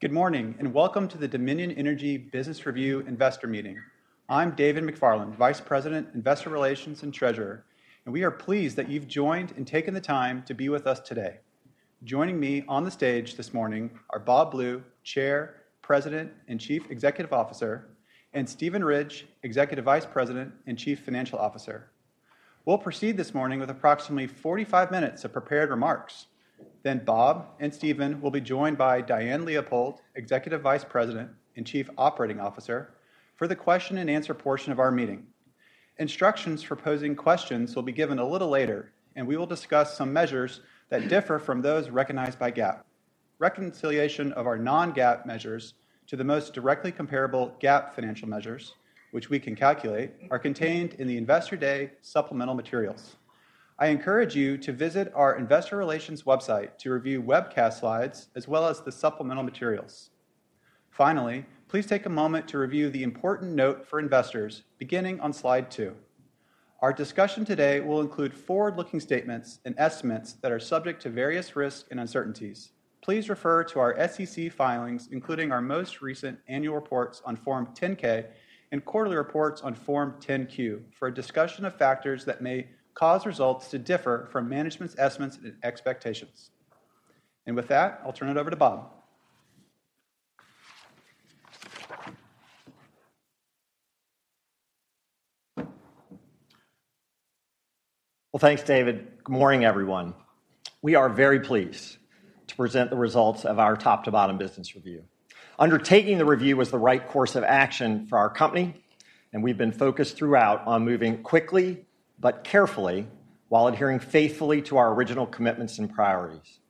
Good morning, and welcome to the Dominion Energy Business Review Investor Meeting. I'm David McFarland, Vice President, Investor Relations and Treasurer, and we are pleased that you've joined and taken the time to be with us today. Joining me on the stage this morning are Bob Blue, Chair, President, and Chief Executive Officer, and Steven Ridge, Executive Vice President and Chief Financial Officer. We'll proceed this morning with approximately 45 minutes of prepared remarks. Then Bob and Steven will be joined by Diane Leopold, Executive Vice President and Chief Operating Officer, for the question and answer portion of our meeting. Instructions for posing questions will be given a little later, and we will discuss some measures that differ from those recognized by GAAP. Reconciliation of our non-GAAP measures to the most directly comparable GAAP financial measures, which we can calculate, are contained in the Investor Day supplemental materials. I encourage you to visit our Investor Relations website to review webcast slides as well as the supplemental materials. Finally, please take a moment to review the important note for investors beginning on slide two. Our discussion today will include forward-looking statements and estimates that are subject to various risks and uncertainties. Please refer to our SEC filings, including our most recent annual reports on Form 10-K and quarterly reports on Form 10-Q, for a discussion of factors that may cause results to differ from management's estimates and expectations. With that, I'll turn it over to Bob. Well, thanks, David. Good morning, everyone. We are very pleased to present the results of our top-to-bottom business review. Undertaking the review was the right course of action for our company, and we've been focused throughout on moving quickly but carefully, while adhering faithfully to our original commitments and priorities.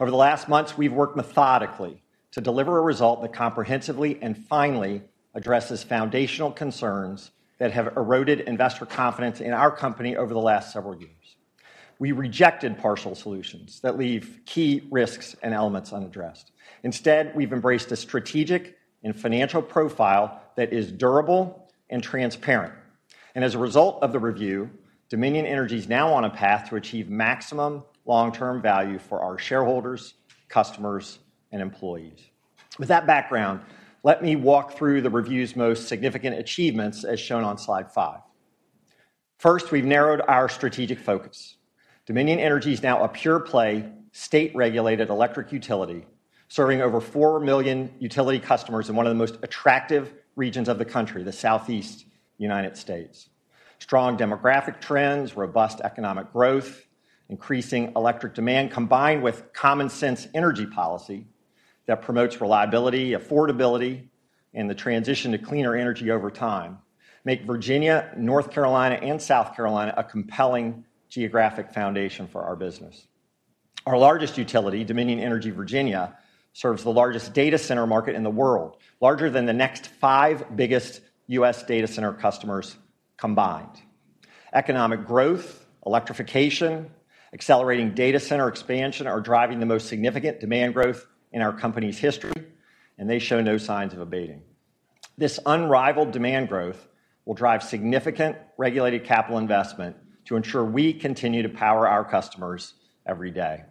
Over the last months, we've worked methodically to deliver a result that comprehensively and finally addresses foundational concerns that have eroded investor confidence in our company over the last several years. We rejected partial solutions that leave key risks and elements unaddressed. Instead, we've embraced a strategic and financial profile that is durable and transparent. As a result of the review, Dominion Energy is now on a path to achieve maximum long-term value for our shareholders, customers, and employees. With that background, let me walk through the review's most significant achievements, as shown on slide five. First, we've narrowed our strategic focus. Dominion Energy is now a pure-play, state-regulated electric utility, serving over four million utility customers in one of the most attractive regions of the country, the Southeast United States. Strong demographic trends, robust economic growth, increasing electric demand, combined with common-sense energy policy that promotes reliability, affordability, and the transition to cleaner energy over time, make Virginia, North Carolina, and South Carolina a compelling geographic foundation for our business. Our largest utility, Dominion Energy Virginia, serves the largest data center market in the world, larger than the next five biggest U.S. data center customers combined. Economic growth, electrification, accelerating data center expansion are driving the most significant demand growth in our company's history, and they show no signs of abating. This unrivaled demand growth will drive significant regulated capital investment to ensure we continue to power our customers every day.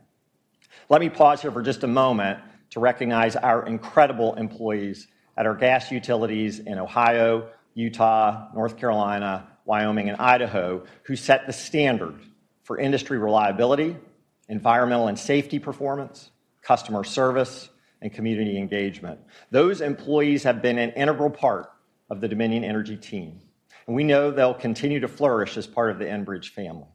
Let me pause here for just a moment to recognize our incredible employees at our gas utilities in Ohio, Utah, North Carolina, Wyoming, and Idaho, who set the standard for industry reliability, environmental and safety performance, customer service, and community engagement. Those employees have been an integral part of the Dominion Energy team, and we know they'll continue to flourish as part of the Enbridge family.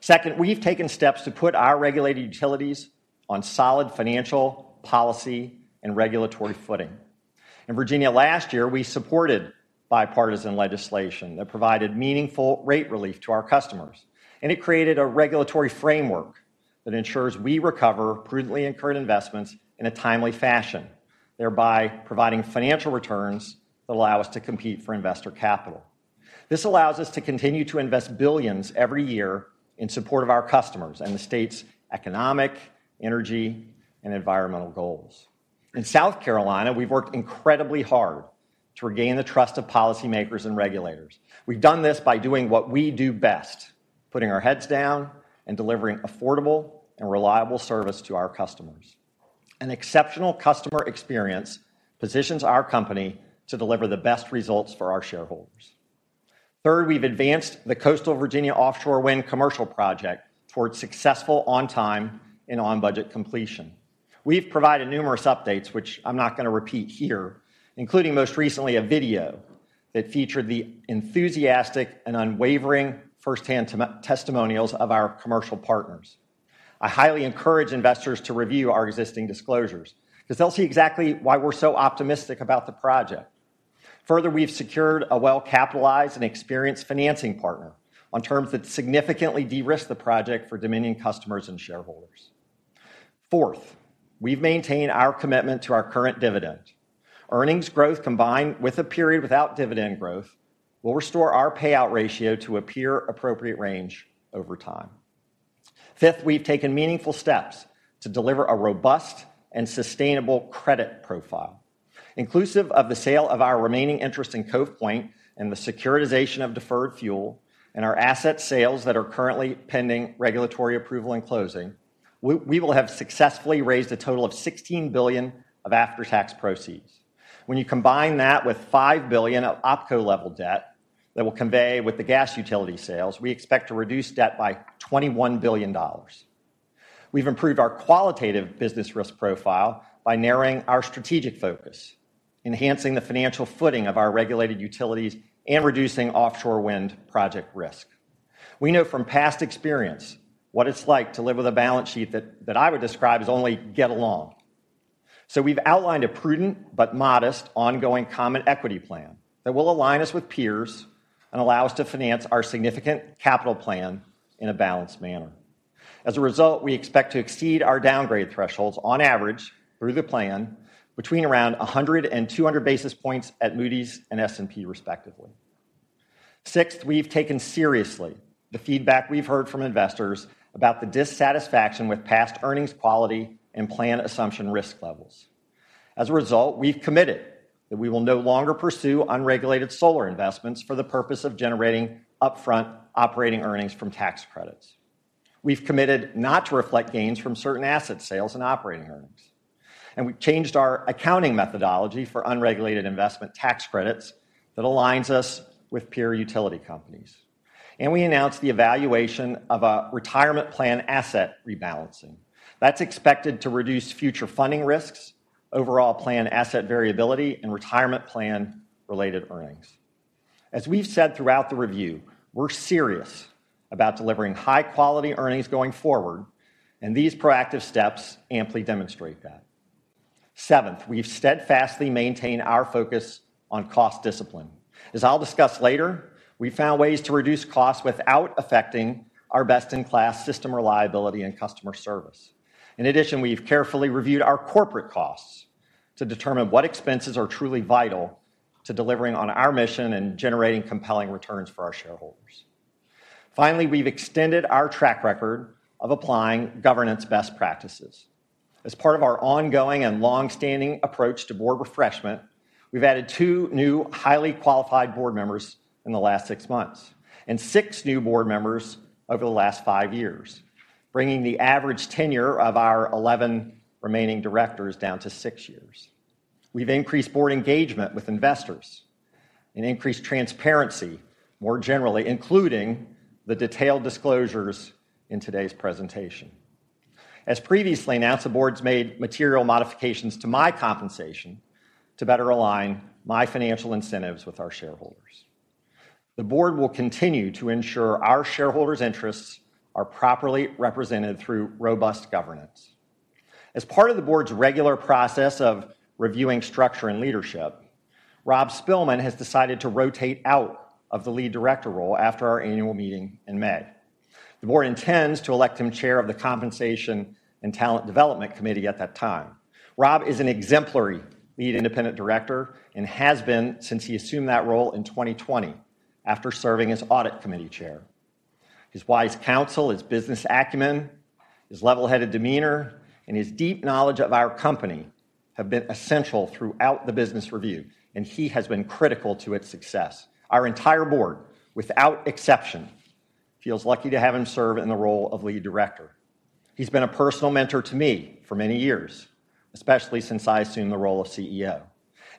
Second, we've taken steps to put our regulated utilities on solid financial, policy, and regulatory footing. In Virginia last year, we supported bipartisan legislation that provided meaningful rate relief to our customers, and it created a regulatory framework that ensures we recover prudently incurred investments in a timely fashion, thereby providing financial returns that allow us to compete for investor capital. This allows us to continue to invest billions every year in support of our customers and the state's economic, energy, and environmental goals. In South Carolina, we've worked incredibly hard to regain the trust of policymakers and regulators. We've done this by doing what we do best: putting our heads down and delivering affordable and reliable service to our customers. An exceptional customer experience positions our company to deliver the best results for our shareholders. Third, we've advanced the Coastal Virginia Offshore Wind commercial project towards successful, on-time, and on-budget completion. We've provided numerous updates, which I'm not going to repeat here, including, most recently, a video that featured the enthusiastic and unwavering first-hand testimonials of our commercial partners. I highly encourage investors to review our existing disclosures, because they'll see exactly why we're so optimistic about the project. Further, we've secured a well-capitalized and experienced financing partner on terms that significantly de-risk the project for Dominion customers and shareholders. Fourth, we've maintained our commitment to our current dividend. Earnings growth, combined with a period without dividend growth, will restore our payout ratio to a peer-appropriate range over time. Fifth, we've taken meaningful steps to deliver a robust and sustainable credit profile. Inclusive of the sale of our remaining interest in Cove Point and the securitization of deferred fuel and our asset sales that are currently pending regulatory approval and closing, we will have successfully raised a total of $16 billion of after-tax proceeds. When you combine that with $5 billion of OpCo-level debt that will convey with the gas utility sales, we expect to reduce debt by $21 billion. We've improved our qualitative business risk profile by narrowing our strategic focus, enhancing the financial footing of our regulated utilities, and reducing offshore wind project risk. We know from past experience what it's like to live with a balance sheet that I would describe as only get along. So we've outlined a prudent but modest ongoing common equity plan that will align us with peers and allow us to finance our significant capital plan in a balanced manner. As a result, we expect to exceed our downgrade thresholds on average through the plan between around 100 and 200 basis points at Moody's and S&P, respectively. Sixth, we've taken seriously the feedback we've heard from investors about the dissatisfaction with past earnings quality and plan assumption risk levels. As a result, we've committed that we will no longer pursue unregulated solar investments for the purpose of generating upfront operating earnings from tax credits. We've committed not to reflect gains from certain asset sales and operating earnings, and we've changed our accounting methodology for unregulated investment tax credits that aligns us with peer utility companies. We announced the evaluation of a retirement plan asset rebalancing. That's expected to reduce future funding risks, overall plan asset variability, and retirement plan-related earnings. As we've said throughout the review, we're serious about delivering high-quality earnings going forward, and these proactive steps amply demonstrate that. Seventh, we've steadfastly maintained our focus on cost discipline. As I'll discuss later, we found ways to reduce costs without affecting our best-in-class system reliability and customer service. In addition, we've carefully reviewed our corporate costs to determine what expenses are truly vital to delivering on our mission and generating compelling returns for our shareholders. Finally, we've extended our track record of applying governance best practices. As part of our ongoing and long-standing approach to board refreshment, we've added two new highly qualified board members in the last six months and six new board members over the last five years, bringing the average tenure of our 11 remaining directors down to six years. We've increased board engagement with investors and increased transparency more generally, including the detailed disclosures in today's presentation. As previously announced, the board's made material modifications to my compensation to better align my financial incentives with our shareholders. The board will continue to ensure our shareholders' interests are properly represented through robust governance. As part of the board's regular process of reviewing structure and leadership, Rob Spilman has decided to rotate out of the lead director role after our annual meeting in May. The board intends to elect him chair of the Compensation and Talent Development Committee at that time. Rob is an exemplary lead independent director and has been since he assumed that role in 2020 after serving as audit committee chair. His wise counsel, his business acumen, his level-headed demeanor, and his deep knowledge of our company have been essential throughout the business review, and he has been critical to its success. Our entire board, without exception, feels lucky to have him serve in the role of lead director. He's been a personal mentor to me for many years, especially since I assumed the role of CEO,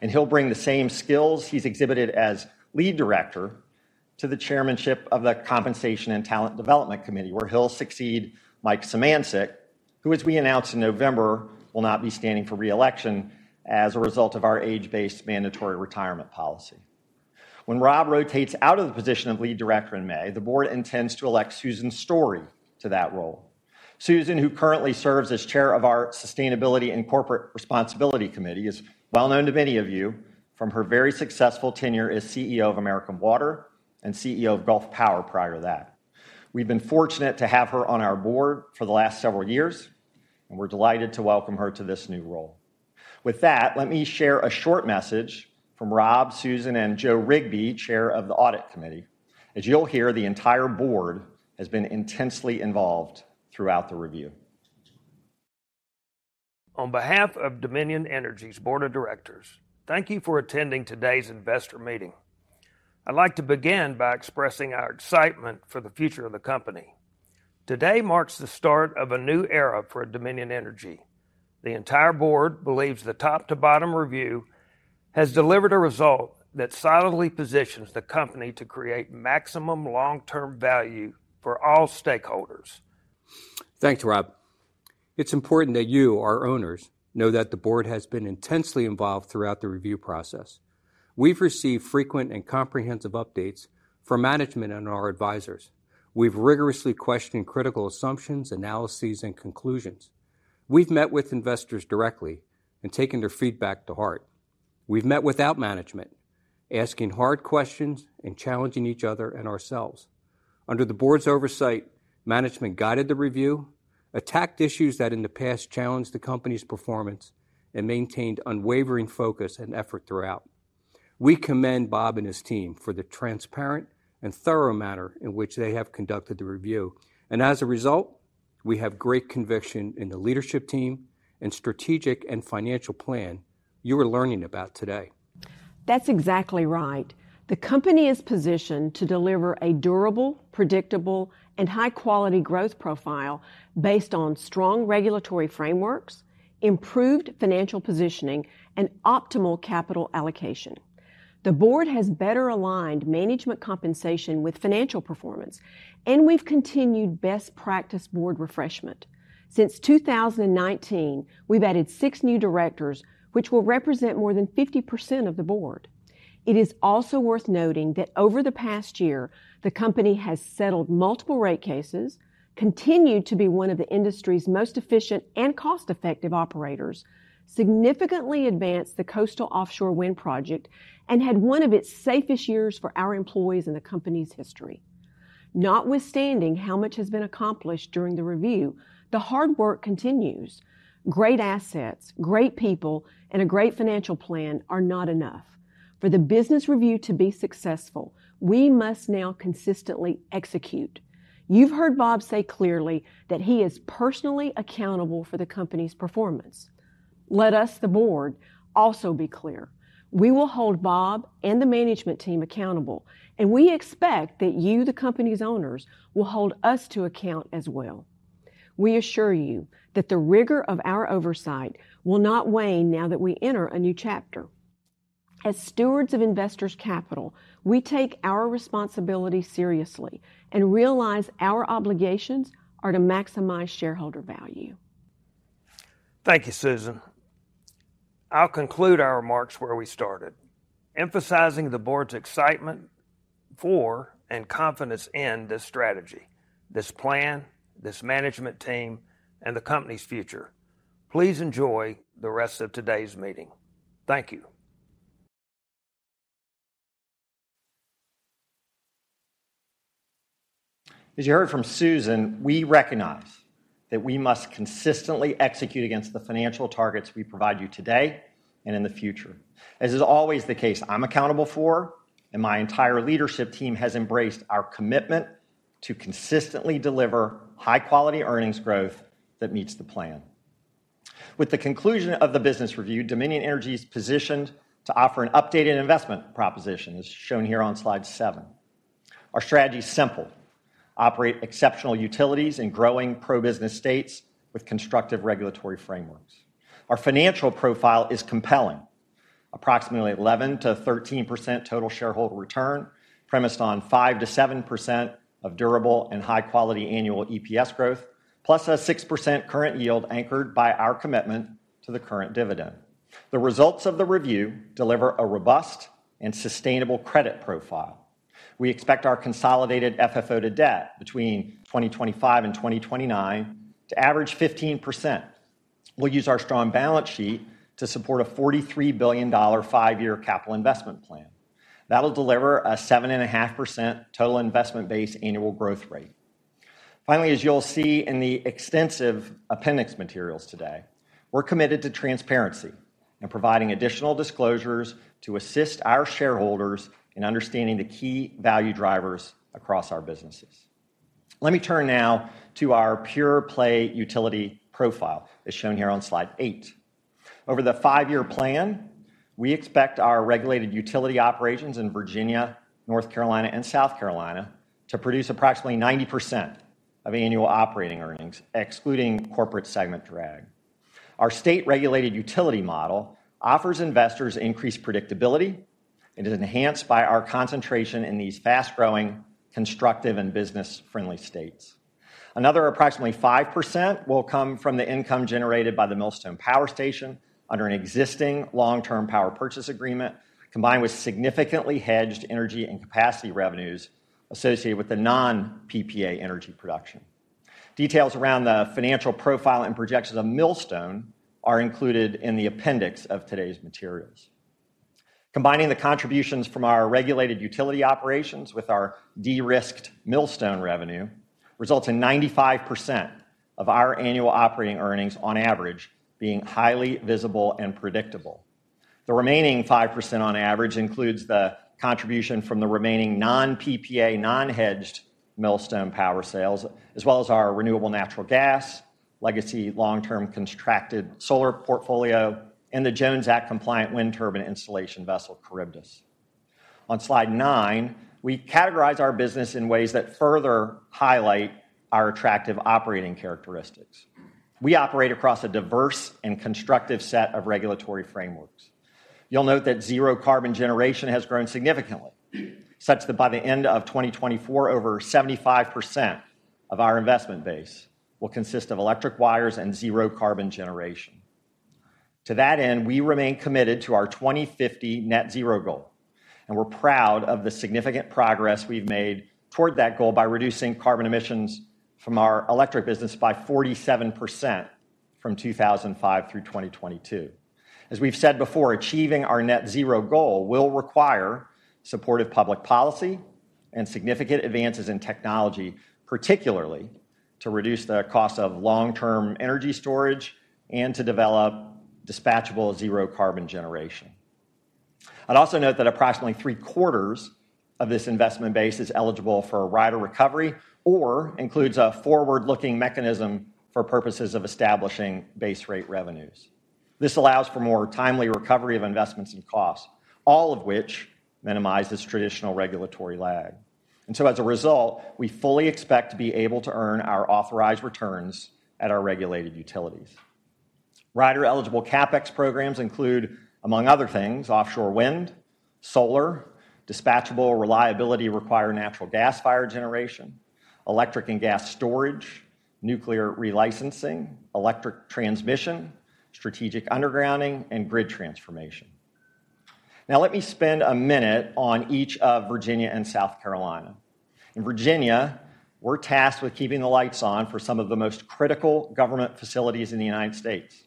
and he'll bring the same skills he's exhibited as lead director to the chairmanship of the Compensation and Talent Development Committee, where he'll succeed Mike Szymanczyk, who, as we announced in November, will not be standing for re-election as a result of our age-based mandatory retirement policy. When Rob rotates out of the position of lead director in May, the board intends to elect Susan Story to that role. Susan, who currently serves as chair of our Sustainability and Corporate Responsibility Committee, is well known to many of you from her very successful tenure as CEO of American Water and CEO of Gulf Power prior to that. We've been fortunate to have her on our board for the last several years, and we're delighted to welcome her to this new role. With that, let me share a short message from Rob, Susan, and Joe Rigby, chair of the Audit Committee. As you'll hear, the entire board has been intensely involved throughout the review. On behalf of Dominion Energy's Board of Directors, thank you for attending today's investor meeting. I'd like to begin by expressing our excitement for the future of the company. Today marks the start of a new era for Dominion Energy. The entire board believes the top-to-bottom review has delivered a result that solidly positions the company to create maximum long-term value for all stakeholders. Thanks, Rob. It's important that you, our owners, know that the board has been intensely involved throughout the review process. We've received frequent and comprehensive updates from management and our advisors. We've rigorously questioned critical assumptions, analyses, and conclusions. We've met with investors directly and taken their feedback to heart. We've met without management, asking hard questions and challenging each other and ourselves. Under the board's oversight, management guided the review, attacked issues that in the past challenged the company's performance, and maintained unwavering focus and effort throughout.... We commend Bob and his team for the transparent and thorough manner in which they have conducted the review. And as a result, we have great conviction in the leadership team and strategic and financial plan you are learning about today. That's exactly right. The company is positioned to deliver a durable, predictable, and high-quality growth profile based on strong regulatory frameworks, improved financial positioning, and optimal capital allocation. The board has better aligned management compensation with financial performance, and we've continued best practice board refreshment. Since 2019, we've added six new directors, which will represent more than 50% of the board. It is also worth noting that over the past year, the company has settled multiple rate cases, continued to be one of the industry's most efficient and cost-effective operators, significantly advanced the Coastal Virginia Offshore Wind project, and had one of its safest years for our employees in the company's history. Notwithstanding how much has been accomplished during the review, the hard work continues. Great assets, great people, and a great financial plan are not enough. For the business review to be successful, we must now consistently execute. You've heard Bob say clearly that he is personally accountable for the company's performance. Let us, the board, also be clear: we will hold Bob and the management team accountable, and we expect that you, the company's owners, will hold us to account as well. We assure you that the rigor of our oversight will not wane now that we enter a new chapter. As stewards of investors' capital, we take our responsibility seriously and realize our obligations are to maximize shareholder value. Thank you, Susan. I'll conclude our remarks where we started, emphasizing the board's excitement for and confidence in this strategy, this plan, this management team, and the company's future. Please enjoy the rest of today's meeting. Thank you. As you heard from Susan, we recognize that we must consistently execute against the financial targets we provide you today and in the future. As is always the case, I'm accountable for, and my entire leadership team has embraced our commitment to consistently deliver high-quality earnings growth that meets the plan. With the conclusion of the business review, Dominion Energy is positioned to offer an updated investment proposition, as shown here on slide seven. Our strategy is simple: operate exceptional utilities in growing pro-business states with constructive regulatory frameworks. Our financial profile is compelling. Approximately 11%-13% total shareholder return, premised on 5%-7% of durable and high-quality annual EPS growth, plus a 6% current yield anchored by our commitment to the current dividend. The results of the review deliver a robust and sustainable credit profile. We expect our consolidated FFO to debt between 2025 and 2029 to average 15%. We'll use our strong balance sheet to support a $43 billion five-year capital investment plan. That'll deliver a 7.5% total investment base annual growth rate. Finally, as you'll see in the extensive appendix materials today, we're committed to transparency and providing additional disclosures to assist our shareholders in understanding the key value drivers across our businesses. Let me turn now to our pure-play utility profile, as shown here on slide eight. Over the five-year plan, we expect our regulated utility operations in Virginia, North Carolina, and South Carolina to produce approximately 90% of annual operating earnings, excluding corporate segment drag. Our state-regulated utility model offers investors increased predictability and is enhanced by our concentration in these fast-growing, constructive, and business-friendly states. Another approximately 5% will come from the income generated by the Millstone Power Station under an existing long-term power purchase agreement, combined with significantly hedged energy and capacity revenues associated with the non-PPA energy production. Details around the financial profile and projections of Millstone are included in the appendix of today's materials. Combining the contributions from our regulated utility operations with our de-risked Millstone revenue results in 95% of our annual operating earnings on average, being highly visible and predictable. The remaining 5% on average includes the contribution from the remaining non-PPA, non-hedged Millstone power sales, as well as our renewable natural gas, legacy long-term contracted solar portfolio, and the Jones Act-compliant wind turbine installation vessel, Charybdis. On slide nine, we categorize our business in ways that further highlight our attractive operating characteristics. We operate across a diverse and constructive set of regulatory frameworks. You'll note that zero-carbon generation has grown significantly, such that by the end of 2024, over 75% of our investment base will consist of electric wires and zero-carbon generation. To that end, we remain committed to our 2050 net zero goal, and we're proud of the significant progress we've made toward that goal by reducing carbon emissions from our electric business by 47% from 2005 through 2022. As we've said before, achieving our net zero goal will require supportive public policy and significant advances in technology, particularly to reduce the cost of long-term energy storage and to develop dispatchable zero carbon generation. I'd also note that approximately three-quarters of this investment base is eligible for a rider recovery or includes a forward-looking mechanism for purposes of establishing base rate revenues. This allows for more timely recovery of investments and costs, all of which minimize this traditional regulatory lag. And so as a result, we fully expect to be able to earn our authorized returns at our regulated utilities. Rider-eligible CapEx programs include, among other things, offshore wind, solar, dispatchable reliability-required natural gas-fired generation, electric and gas storage, nuclear relicensing, electric transmission, strategic undergrounding, and grid transformation. Now, let me spend a minute on each of Virginia and South Carolina. In Virginia, we're tasked with keeping the lights on for some of the most critical government facilities in the United States,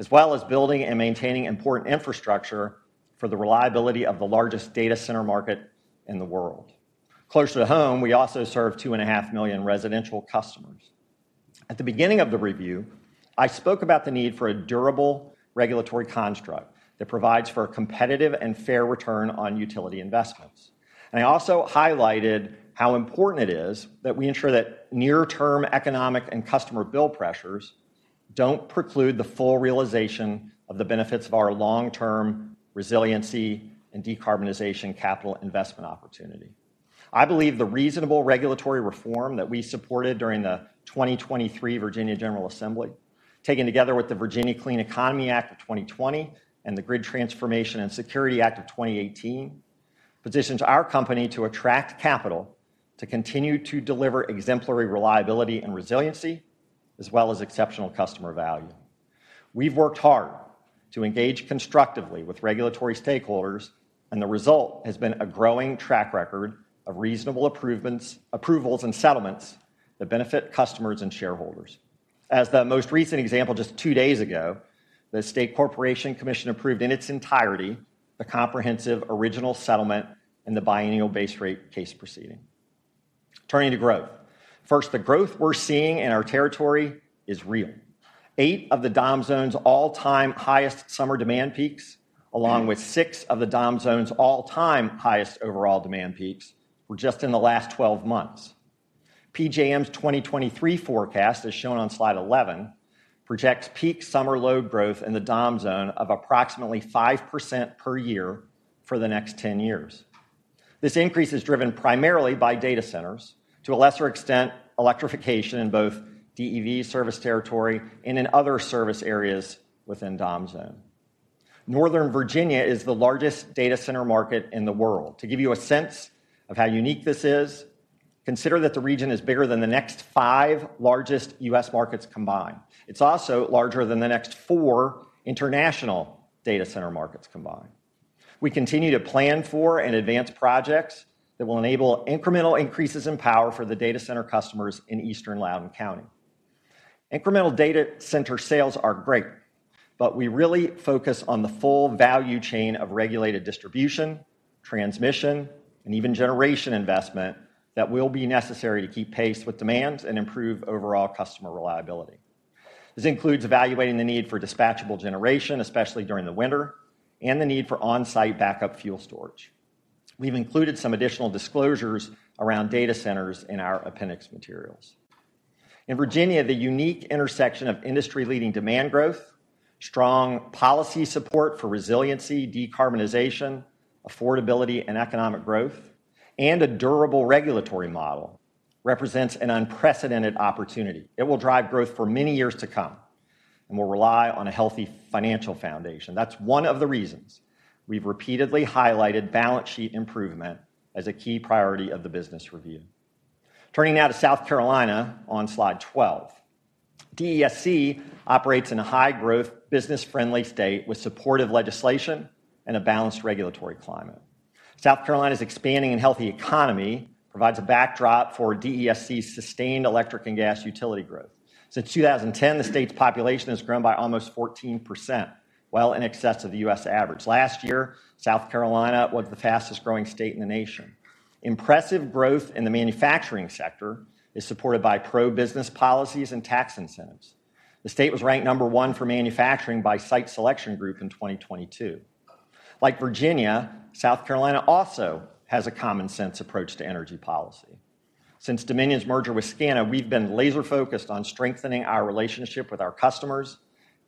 as well as building and maintaining important infrastructure for the reliability of the largest data center market in the world. Closer to home, we also serve 2.5 million residential customers. At the beginning of the review, I spoke about the need for a durable regulatory construct that provides for a competitive and fair return on utility investments. I also highlighted how important it is that we ensure that near-term economic and customer bill pressures don't preclude the full realization of the benefits of our long-term resiliency and decarbonization capital investment opportunity. I believe the reasonable regulatory reform that we supported during the 2023 Virginia General Assembly, taken together with the Virginia Clean Economy Act of 2020 and the Grid Transformation and Security Act of 2018, positions our company to attract capital to continue to deliver exemplary reliability and resiliency, as well as exceptional customer value. We've worked hard to engage constructively with regulatory stakeholders, and the result has been a growing track record of reasonable approvals and settlements that benefit customers and shareholders. As the most recent example, just two days ago, the State Corporation Commission approved, in its entirety, the comprehensive original settlement in the biennial base rate case proceeding. Turning to growth. First, the growth we're seeing in our territory is real. Eight of the DOM Zone's all-time highest summer demand peaks, along with six of the DOM Zone's all-time highest overall demand peaks, were just in the last 12 months. PJM's 2023 forecast, as shown on slide 11, projects peak summer load growth in the DOM Zone of approximately 5% per year for the next 10 years. This increase is driven primarily by data centers, to a lesser extent, electrification in both DEV service territory and in other service areas within DOM Zone. Northern Virginia is the largest data center market in the world. To give you a sense of how unique this is, consider that the region is bigger than the next five largest U.S. markets combined. It's also larger than the next four international data center markets combined. We continue to plan for and advance projects that will enable incremental increases in power for the data center customers in Eastern Loudoun County. Incremental data center sales are great, but we really focus on the full value chain of regulated distribution, transmission, and even generation investment that will be necessary to keep pace with demands and improve overall customer reliability. This includes evaluating the need for dispatchable generation, especially during the winter, and the need for on-site backup fuel storage. We've included some additional disclosures around data centers in our appendix materials. In Virginia, the unique intersection of industry-leading demand growth, strong policy support for resiliency, decarbonization, affordability, and economic growth, and a durable regulatory model represents an unprecedented opportunity. It will drive growth for many years to come and will rely on a healthy financial foundation. That's one of the reasons we've repeatedly highlighted balance sheet improvement as a key priority of the business review. Turning now to South Carolina on slide 12. DESC operates in a high-growth, business-friendly state with supportive legislation and a balanced regulatory climate. South Carolina's expanding and healthy economy provides a backdrop for DESC's sustained electric and gas utility growth. Since 2010, the state's population has grown by almost 14%, well in excess of the U.S. average. Last year, South Carolina was the fastest-growing state in the nation. Impressive growth in the manufacturing sector is supported by pro-business policies and tax incentives. The state was ranked number one for manufacturing by Site Selection Group in 2022. Like Virginia, South Carolina also has a common-sense approach to energy policy. Since Dominion's merger with SCANA, we've been laser-focused on strengthening our relationship with our customers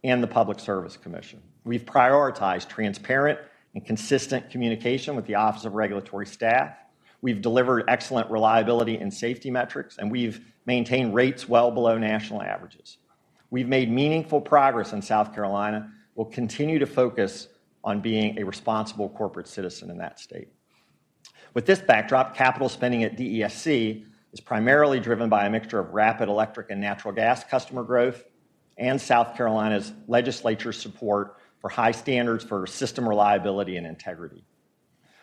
and the Public Service Commission. We've prioritized transparent and consistent communication with the Office of Regulatory Staff. We've delivered excellent reliability and safety metrics, and we've maintained rates well below national averages. We've made meaningful progress in South Carolina. We'll continue to focus on being a responsible corporate citizen in that state. With this backdrop, capital spending at DESC is primarily driven by a mixture of rapid electric and natural gas customer growth and South Carolina's legislature's support for high standards for system reliability and integrity.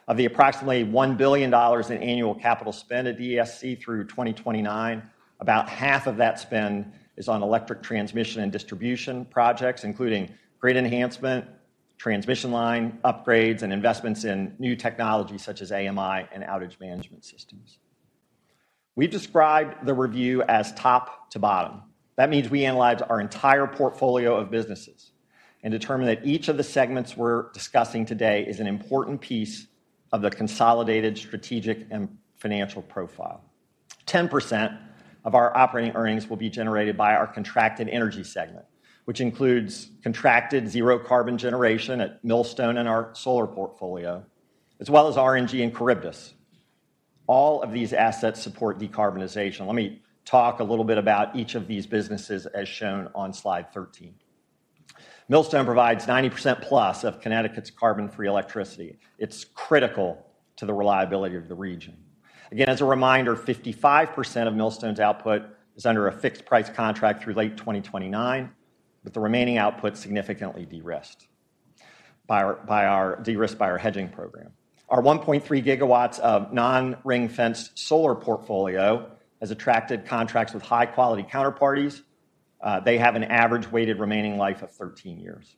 Of the approximately $1 billion in annual capital spend at DESC through 2029, about half of that spend is on electric transmission and distribution projects, including grid enhancement, transmission line upgrades and investments in new technologies such as AMI and outage management systems. We've described the review as top to bottom. That means we analyzed our entire portfolio of businesses and determined that each of the segments we're discussing today is an important piece of the consolidated strategic and financial profile. 10% of our operating earnings will be generated by our contracted energy segment, which includes contracted zero carbon generation at Millstone in our solar portfolio, as well as RNG and Charybdis. All of these assets support decarbonization. Let me talk a little bit about each of these businesses, as shown on slide 13. Millstone provides 90%+ of Connecticut's carbon-free electricity. It's critical to the reliability of the region. Again, as a reminder, 55% of Millstone's output is under a fixed price contract through late 2029, with the remaining output significantly de-risked by our hedging program. Our 1.3 GW of non-ring-fenced solar portfolio has attracted contracts with high-quality counterparties. They have an average weighted remaining life of 13 years.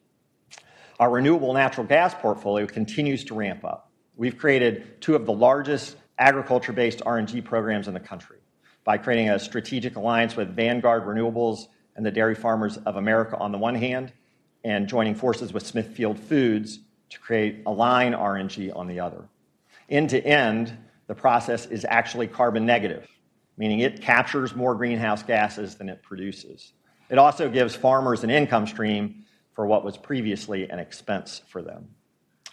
Our renewable natural gas portfolio continues to ramp up. We've created two of the largest agriculture-based RNG programs in the country by creating a strategic alliance with Vanguard Renewables and the Dairy Farmers of America on the one hand, and joining forces with Smithfield Foods to create Align RNG on the other. End-to-end, the process is actually carbon negative, meaning it captures more greenhouse gases than it produces. It also gives farmers an income stream for what was previously an expense for them.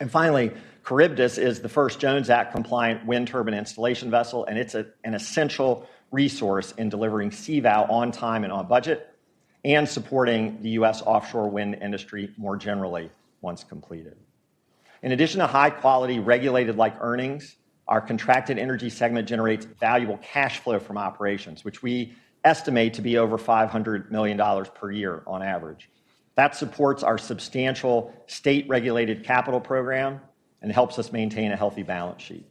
And finally, Charybdis is the first Jones Act-compliant wind turbine installation vessel, and it's an essential resource in delivering CVOW on time and on budget, and supporting the U.S. offshore wind industry more generally, once completed. In addition to high-quality, regulated-like earnings, our contracted energy segment generates valuable cash flow from operations, which we estimate to be over $500 million per year on average. That supports our substantial state-regulated capital program and helps us maintain a healthy balance sheet.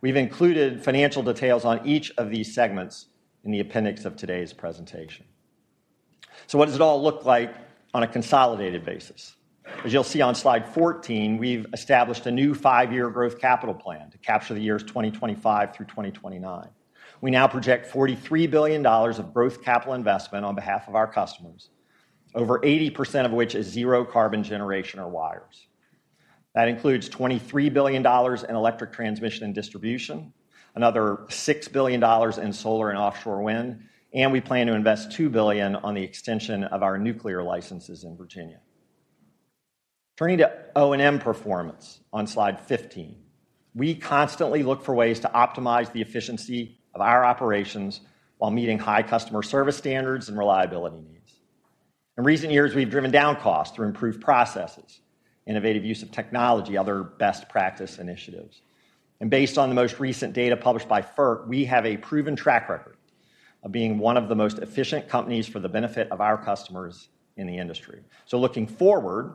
We've included financial details on each of these segments in the appendix of today's presentation. So what does it all look like on a consolidated basis? As you'll see on slide 14, we've established a new five-year growth capital plan to capture the years 2025 through 2029. We now project $43 billion of growth capital investment on behalf of our customers, over 80% of which is zero carbon generation or wires. That includes $23 billion in electric transmission and distribution, another $6 billion in solar and offshore wind, and we plan to invest $2 billion on the extension of our nuclear licenses in Virginia. Turning to O&M performance on slide 15. We constantly look for ways to optimize the efficiency of our operations while meeting high customer service standards and reliability needs. In recent years, we've driven down costs through improved processes, innovative use of technology, other best practice initiatives. Based on the most recent data published by FERC, we have a proven track record of being one of the most efficient companies for the benefit of our customers in the industry. So looking forward,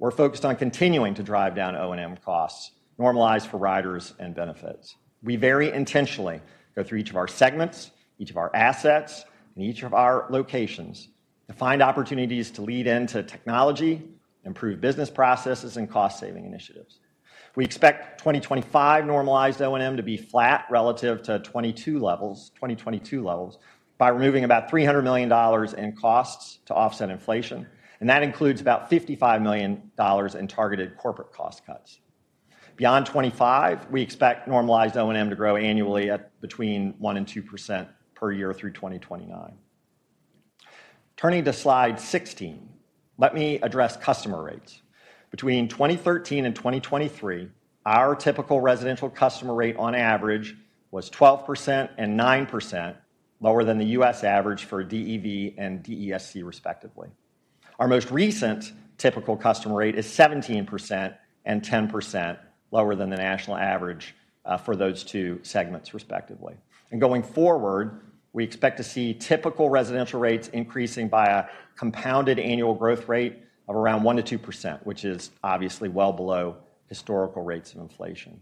we're focused on continuing to drive down O&M costs, normalized for riders and benefits. We very intentionally go through each of our segments, each of our assets, and each of our locations to find opportunities to lean into technology, improve business processes, and cost-saving initiatives. We expect 2025 normalized O&M to be flat relative to 2022 levels, 2022 levels, by removing about $300 million in costs to offset inflation, and that includes about $55 million in targeted corporate cost cuts. Beyond 2025, we expect normalized O&M to grow annually at between 1% and 2% per year through 2029. Turning to slide 16, let me address customer rates. Between 2013 and 2023, our typical residential customer rate on average was 12% and 9% lower than the U.S. average for DEV and DESC, respectively. Our most recent typical customer rate is 17% and 10% lower than the national average for those two segments, respectively. Going forward, we expect to see typical residential rates increasing by a compounded annual growth rate of around 1%-2%, which is obviously well below historical rates of inflation.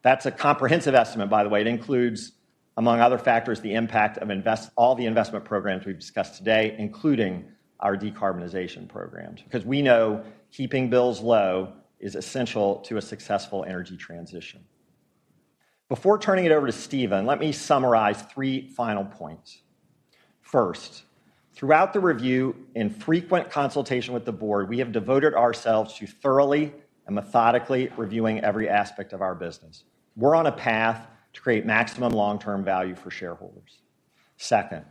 That's a comprehensive estimate, by the way. It includes, among other factors, the impact of all the investment programs we've discussed today, including our decarbonization programs, because we know keeping bills low is essential to a successful energy transition. Before turning it over to Steven, let me summarize three final points. First, throughout the review, in frequent consultation with the board, we have devoted ourselves to thoroughly and methodically reviewing every aspect of our business. We're on a path to create maximum long-term value for shareholders. Second,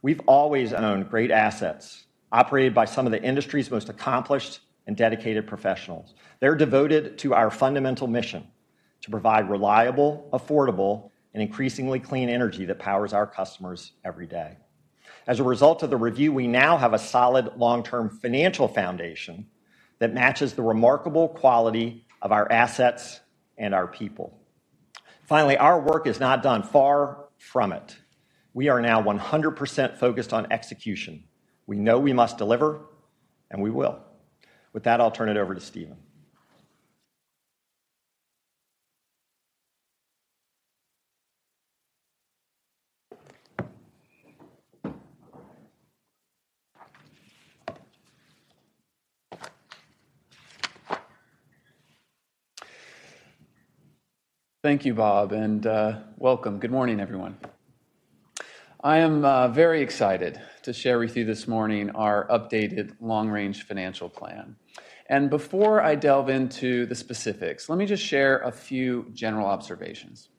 we've always owned great assets, operated by some of the industry's most accomplished and dedicated professionals. They're devoted to our fundamental mission: to provide reliable, affordable, and increasingly clean energy that powers our customers every day. As a result of the review, we now have a solid long-term financial foundation that matches the remarkable quality of our assets and our people. Finally, our work is not done. Far from it. We are now 100% focused on execution. We know we must deliver, and we will. With that, I'll turn it over to Steven. Thank you, Bob, and welcome. Good morning, everyone. I am very excited to share with you this morning our updated long-range financial plan. Before I delve into the specifics, let me just share a few general observations.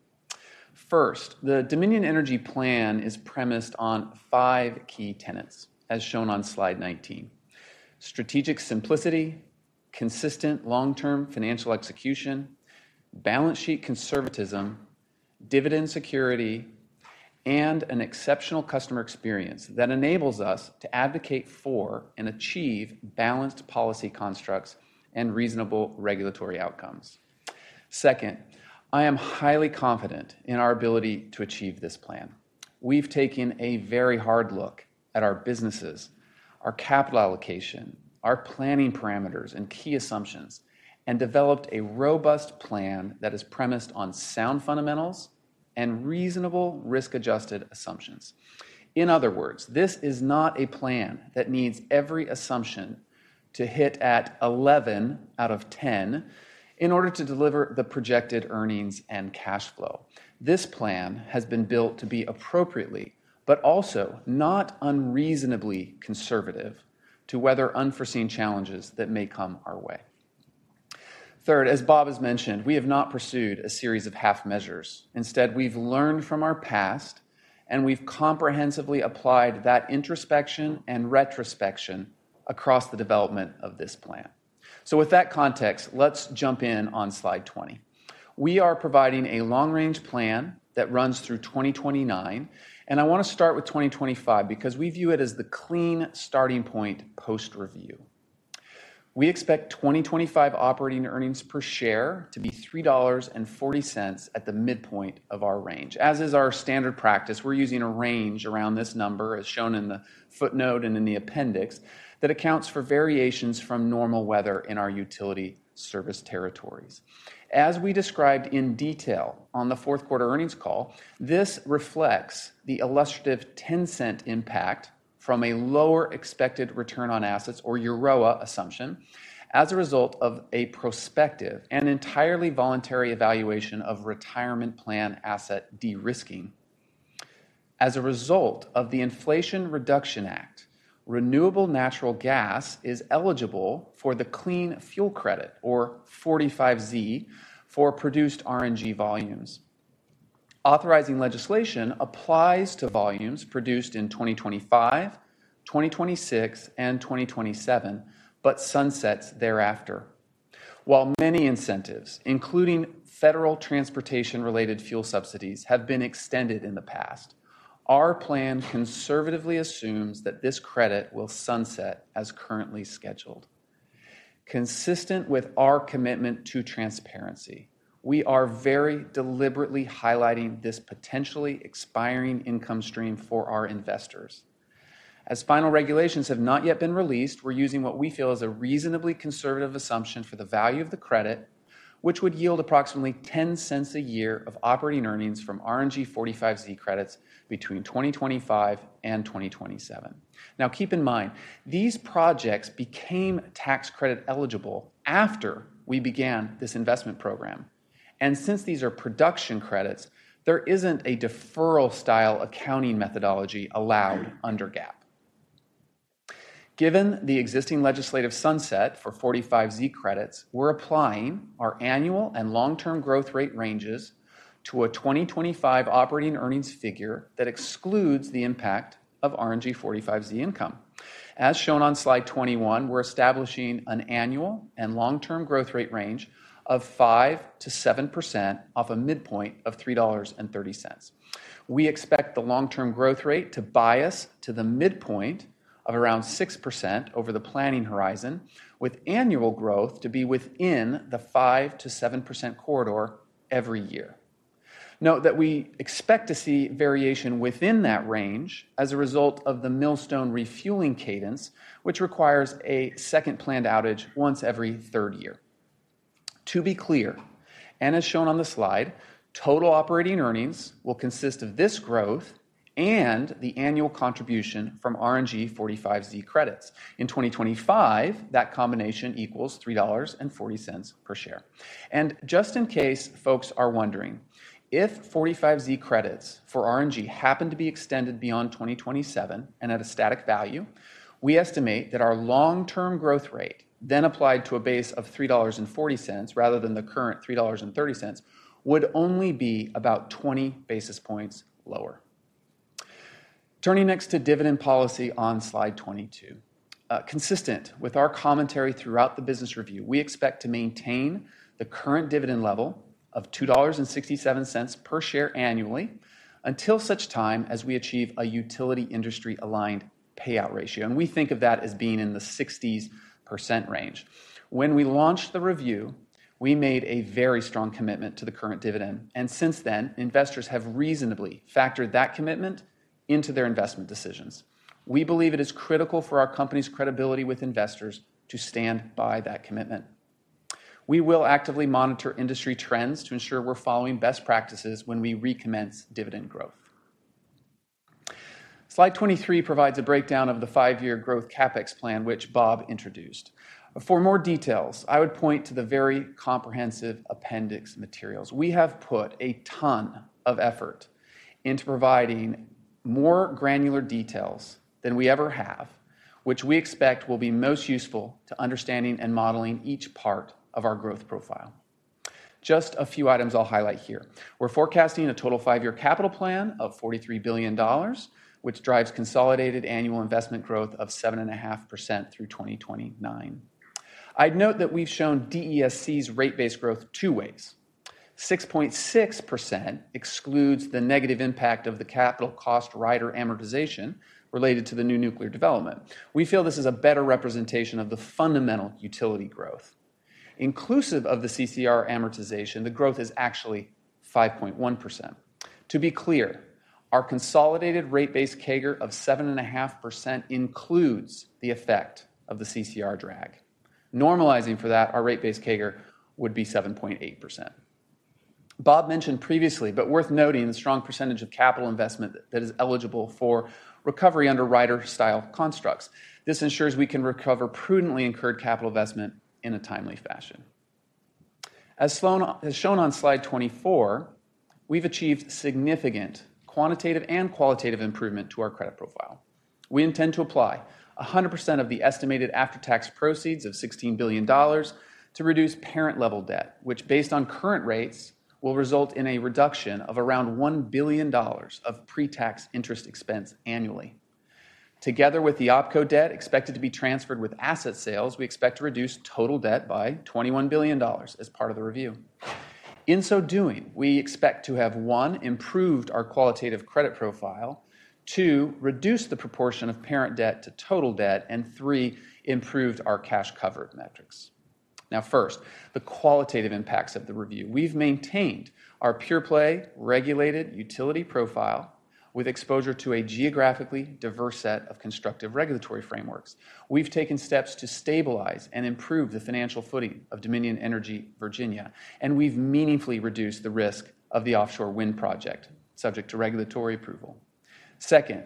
First, the Dominion Energy plan is premised on five key tenets, as shown on slide 19: strategic simplicity, consistent long-term financial execution, balance sheet conservatism, dividend security, and an exceptional customer experience that enables us to advocate for and achieve balanced policy constructs and reasonable regulatory outcomes. Second, I am highly confident in our ability to achieve this plan. We've taken a very hard look at our businesses, our capital allocation, our planning parameters, and key assumptions, and developed a robust plan that is premised on sound fundamentals and reasonable risk-adjusted assumptions. In other words, this is not a plan that needs every assumption to hit at 11 out of 10 in order to deliver the projected earnings and cash flow. This plan has been built to be appropriately but also not unreasonably conservative to weather unforeseen challenges that may come our way. Third, as Bob has mentioned, we have not pursued a series of half measures. Instead, we've learned from our past, and we've comprehensively applied that introspection and retrospection across the development of this plan. So with that context, let's jump in on slide 20. We are providing a long-range plan that runs through 2029, and I want to start with 2025 because we view it as the clean starting point post-review. We expect 2025 operating earnings per share to be $3.40 at the midpoint of our range. As is our standard practice, we're using a range around this number, as shown in the footnote and in the appendix, that accounts for variations from normal weather in our utility service territories. As we described in detail on the fourth quarter earnings call, this reflects the illustrative $0.10 impact from a lower expected return on assets, or EROA assumption, as a result of a prospective and entirely voluntary evaluation of retirement plan asset de-risking. As a result of the Inflation Reduction Act, renewable natural gas is eligible for the clean fuel credit, or 45Z, for produced RNG volumes. Authorizing legislation applies to volumes produced in 2025, 2026, and 2027, but sunsets thereafter. While many incentives, including federal transportation-related fuel subsidies, have been extended in the past, our plan conservatively assumes that this credit will sunset as currently scheduled. Consistent with our commitment to transparency, we are very deliberately highlighting this potentially expiring income stream for our investors. As final regulations have not yet been released, we're using what we feel is a reasonably conservative assumption for the value of the credit, which would yield approximately $0.10 a year of operating earnings from RNG 45Z credits between 2025 and 2027. Now, keep in mind, these projects became tax credit eligible after we began this investment program, and since these are production credits, there isn't a deferral-style accounting methodology allowed under GAAP. Given the existing legislative sunset for 45Z credits, we're applying our annual and long-term growth rate ranges to a 2025 operating earnings figure that excludes the impact of RNG 45Z income. As shown on slide 21, we're establishing an annual and long-term growth rate range of 5%-7% off a midpoint of $3.30. We expect the long-term growth rate to bias to the midpoint of around 6% over the planning horizon, with annual growth to be within the 5%-7% corridor every year. Note that we expect to see variation within that range as a result of the Millstone refueling cadence, which requires a second planned outage once every third year. To be clear, and as shown on the slide, total operating earnings will consist of this growth and the annual contribution from RNG 45Z credits. In 2025, that combination equals $3.40 per share. Just in case folks are wondering, if 45Z credits for RNG happen to be extended beyond 2027 and at a static value, we estimate that our long-term growth rate then applied to a base of $3.40, rather than the current $3.30, would only be about 20 basis points lower. Turning next to dividend policy on slide 22. Consistent with our commentary throughout the business review, we expect to maintain the current dividend level of $2.67 per share annually until such time as we achieve a utility industry-aligned payout ratio, and we think of that as being in the 60s range. When we launched the review, we made a very strong commitment to the current dividend, and since then, investors have reasonably factored that commitment into their investment decisions. We believe it is critical for our company's credibility with investors to stand by that commitment. We will actively monitor industry trends to ensure we're following best practices when we recommence dividend growth. Slide 23 provides a breakdown of the five-year growth CapEx plan, which Bob introduced. For more details, I would point to the very comprehensive appendix materials. We have put a ton of effort into providing more granular details than we ever have, which we expect will be most useful to understanding and modeling each part of our growth profile. Just a few items I'll highlight here. We're forecasting a total five-year capital plan of $43 billion, which drives consolidated annual investment growth of 7.5% through 2029. I'd note that we've shown DESC's rate base growth two ways. 6.6% excludes the negative impact of the capital cost rider amortization related to the new nuclear development. We feel this is a better representation of the fundamental utility growth. Inclusive of the CCR amortization, the growth is actually 5.1%. To be clear, our consolidated rate base CAGR of 7.5% includes the effect of the CCR drag. Normalizing for that, our rate base CAGR would be 7.8%. Bob mentioned previously, but worth noting, the strong percentage of capital investment that is eligible for recovery under rider-style constructs. This ensures we can recover prudently incurred capital investment in a timely fashion. As shown on slide 24, we've achieved significant quantitative and qualitative improvement to our credit profile. We intend to apply 100% of the estimated after-tax proceeds of $16 billion to reduce parent-level debt, which, based on current rates, will result in a reduction of around $1 billion of pre-tax interest expense annually. Together with the OpCo debt expected to be transferred with asset sales, we expect to reduce total debt by $21 billion as part of the review. In so doing, we expect to have one, improved our qualitative credit profile. Two, reduced the proportion of parent debt to total debt. And three, improved our cash cover metrics. Now, first, the qualitative impacts of the review. We've maintained our pure-play, regulated utility profile with exposure to a geographically diverse set of constructive regulatory frameworks. We've taken steps to stabilize and improve the financial footing of Dominion Energy Virginia, and we've meaningfully reduced the risk of the offshore wind project, subject to regulatory approval. Second,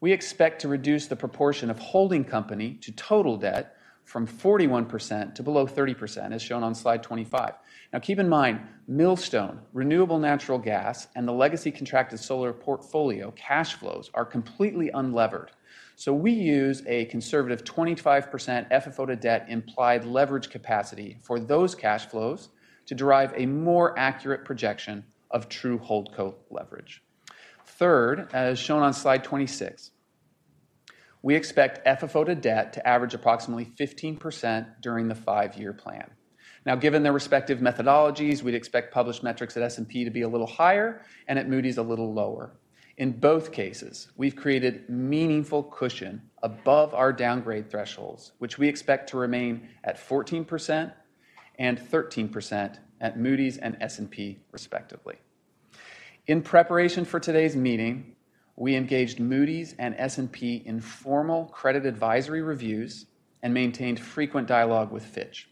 we expect to reduce the proportion of holding company to total debt from 41% to below 30%, as shown on slide 25. Now, keep in mind, Millstone, renewable natural gas, and the legacy contracted solar portfolio cash flows are completely unlevered. So we use a conservative 25% FFO-to-debt implied leverage capacity for those cash flows to derive a more accurate projection of true HoldCo leverage. Third, as shown on slide 26, we expect FFO-to-debt to average approximately 15% during the five-year plan. Now, given their respective methodologies, we'd expect published metrics at S&P to be a little higher and at Moody's a little lower. In both cases, we've created meaningful cushion above our downgrade thresholds, which we expect to remain at 14% and 13% at Moody's and S&P, respectively. In preparation for today's meeting, we engaged Moody's and S&P in formal credit advisory reviews and maintained frequent dialogue with Fitch.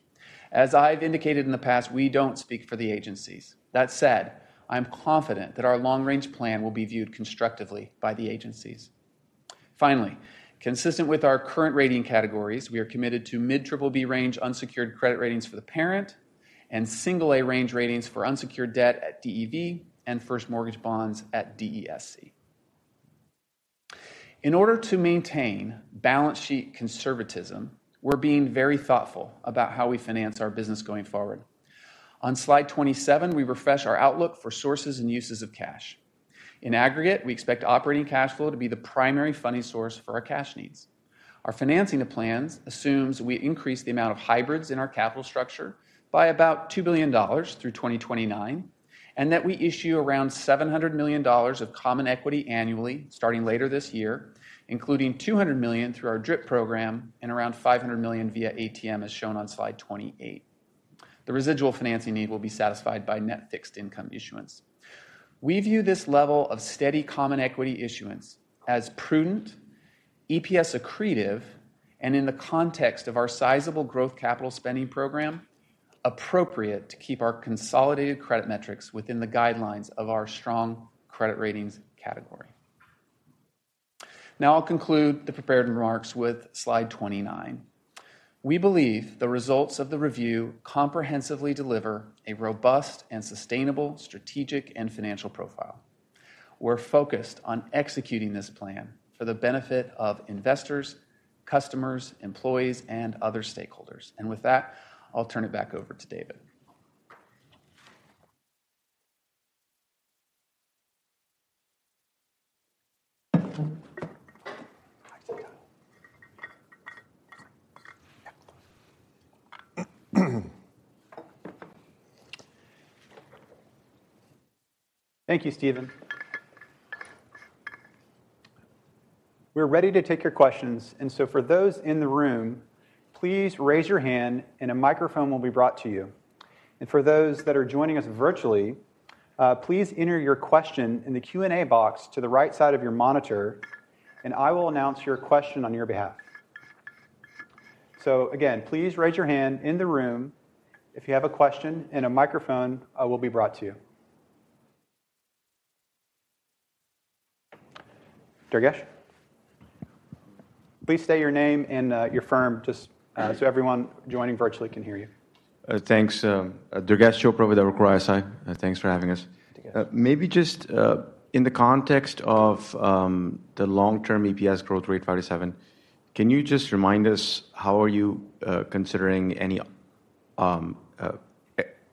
As I've indicated in the past, we don't speak for the agencies. That said, I'm confident that our long-range plan will be viewed constructively by the agencies. Finally, consistent with our current rating categories, we are committed to mid-BBB range unsecured credit ratings for the parent and single A range ratings for unsecured debt at DEV and first mortgage bonds at DESC. In order to maintain balance sheet conservatism, we're being very thoughtful about how we finance our business going forward. On slide 27, we refresh our outlook for sources and uses of cash. In aggregate, we expect operating cash flow to be the primary funding source for our cash needs. Our financing of plans assumes we increase the amount of hybrids in our capital structure by about $2 billion through 2029, and that we issue around $700 million of common equity annually, starting later this year, including $200 million through our DRIP program and around $500 million via ATM, as shown on slide 28. The residual financing need will be satisfied by net fixed income issuance. We view this level of steady common equity issuance as prudent, EPS accretive, and in the context of our sizable growth capital spending program, appropriate to keep our consolidated credit metrics within the guidelines of our strong credit ratings category. Now, I'll conclude the prepared remarks with slide 29. We believe the results of the review comprehensively deliver a robust and sustainable strategic and financial profile. We're focused on executing this plan for the benefit of investors, customers, employees, and other stakeholders. With that, I'll turn it back over to David. Thank you, Steven. We're ready to take your questions, and so for those in the room, please raise your hand, and a microphone will be brought to you. For those that are joining us virtually. Please enter your question in the Q&A box to the right side of your monitor, and I will announce your question on your behalf. So again, please raise your hand in the room if you have a question, and a microphone will be brought to you. Durgesh? Please state your name and your firm, just so everyone joining virtually can hear you. Thanks. Durgesh Chopra with Evercore ISI. Thanks for having us. Maybe just in the context of the long-term EPS growth rate, 5%-7%, can you just remind us how are you considering any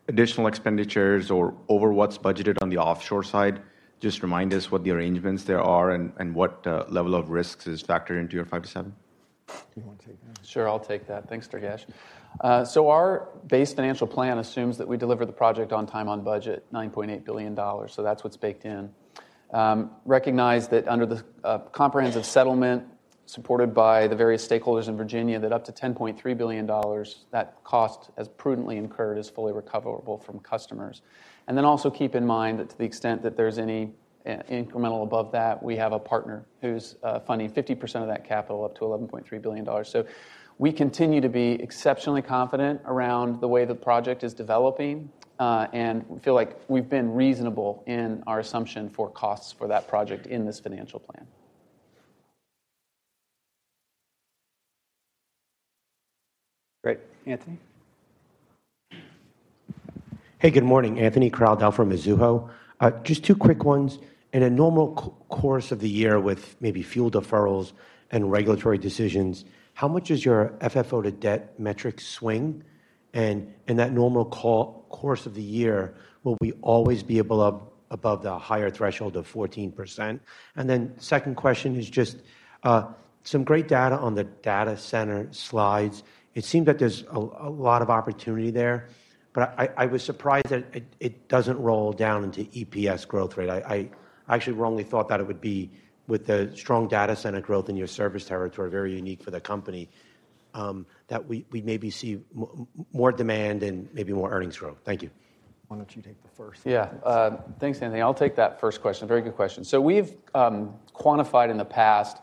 additional expenditures or over what's budgeted on the offshore side? Just remind us what the arrangements there are and what level of risks is factored into your 5%-7%. Do you want to take that? Sure, I'll take that. Thanks, Durgesh. So our base financial plan assumes that we deliver the project on time, on budget, $9.8 billion, so that's what's baked in. Recognize that under the comprehensive settlement, supported by the various stakeholders in Virginia, that up to $10.3 billion, that cost, as prudently incurred, is fully recoverable from customers. And then also keep in mind that to the extent that there's any incremental above that, we have a partner who's funding 50% of that capital, up to $11.3 billion. So we continue to be exceptionally confident around the way the project is developing, and we feel like we've been reasonable in our assumption for costs for that project in this financial plan. Great. Anthony? Hey, good morning. Anthony Crowdell from Mizuho. Just two quick ones. In a normal course of the year, with maybe fuel deferrals and regulatory decisions, how much does your FFO to debt metric swing? And in that normal course of the year, will we always be above the higher threshold of 14%? And then second question is just some great data on the data center slides. It seemed that there's a lot of opportunity there, but I was surprised that it doesn't roll down into EPS growth rate. I actually wrongly thought that it would be with the strong data center growth in your service territory, very unique for the company, that we'd maybe see more demand and maybe more earnings growth. Thank you. Why don't you take the first? Yeah. Thanks, Anthony. I'll take that first question. Very good question. So we've quantified in the past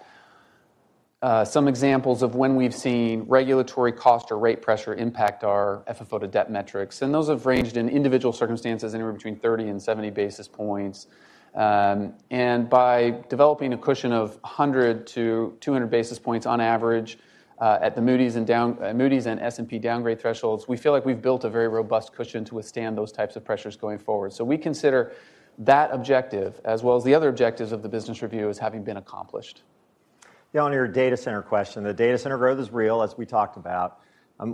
some examples of when we've seen regulatory cost or rate pressure impact our FFO to debt metrics, and those have ranged in individual circumstances anywhere between 30 and 70 basis points. And by developing a cushion of 100 to 200 basis points on average at the Moody's and S&P downgrade thresholds, we feel like we've built a very robust cushion to withstand those types of pressures going forward. So we consider that objective, as well as the other objectives of the business review, as having been accomplished. Yeah, on your data center question, the data center growth is real, as we talked about.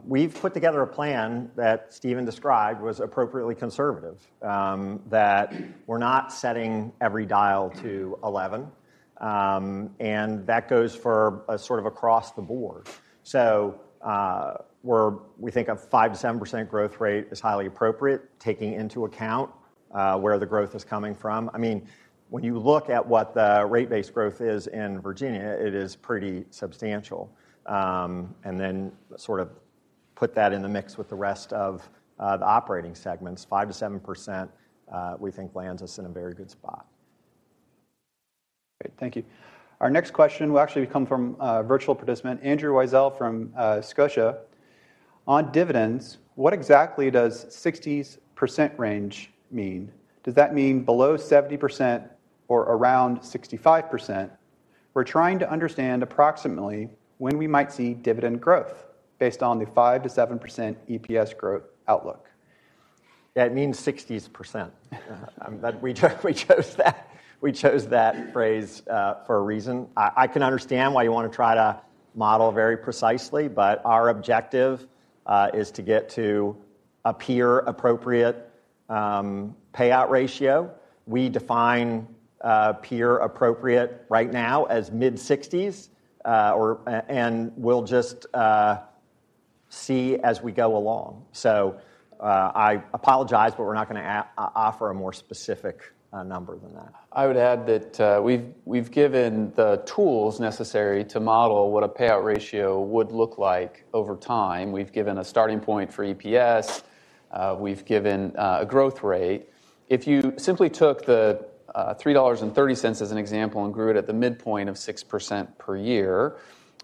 We've put together a plan that Steven described was appropriately conservative, that we're not setting every dial to eleven. And that goes for, sort of across the board. So, we think a 5%-7% growth rate is highly appropriate, taking into account, where the growth is coming from. I mean, when you look at what the rate base growth is in Virginia, it is pretty substantial. And then sort of put that in the mix with the rest of, the operating segments. 5%-7%, we think lands us in a very good spot. Great, thank you. Our next question will actually come from a virtual participant, Andrew Weisel from Scotia. On dividends, what exactly does 60s range mean? Does that mean below 70% or around 65%? We're trying to understand approximately when we might see dividend growth based on the 5%-7% EPS growth outlook. It means 60s. That we, we chose that, we chose that phrase for a reason. I, I can understand why you want to try to model very precisely, but our objective is to get to a peer-appropriate payout ratio. We define peer appropriate right now as mid-60s, or and we'll just see as we go along. So, I apologize, but we're not gonna offer a more specific number than that. I would add that, we've given the tools necessary to model what a payout ratio would look like over time. We've given a starting point for EPS. We've given a growth rate. If you simply took the $3.30 as an example, and grew it at the midpoint of 6% per year,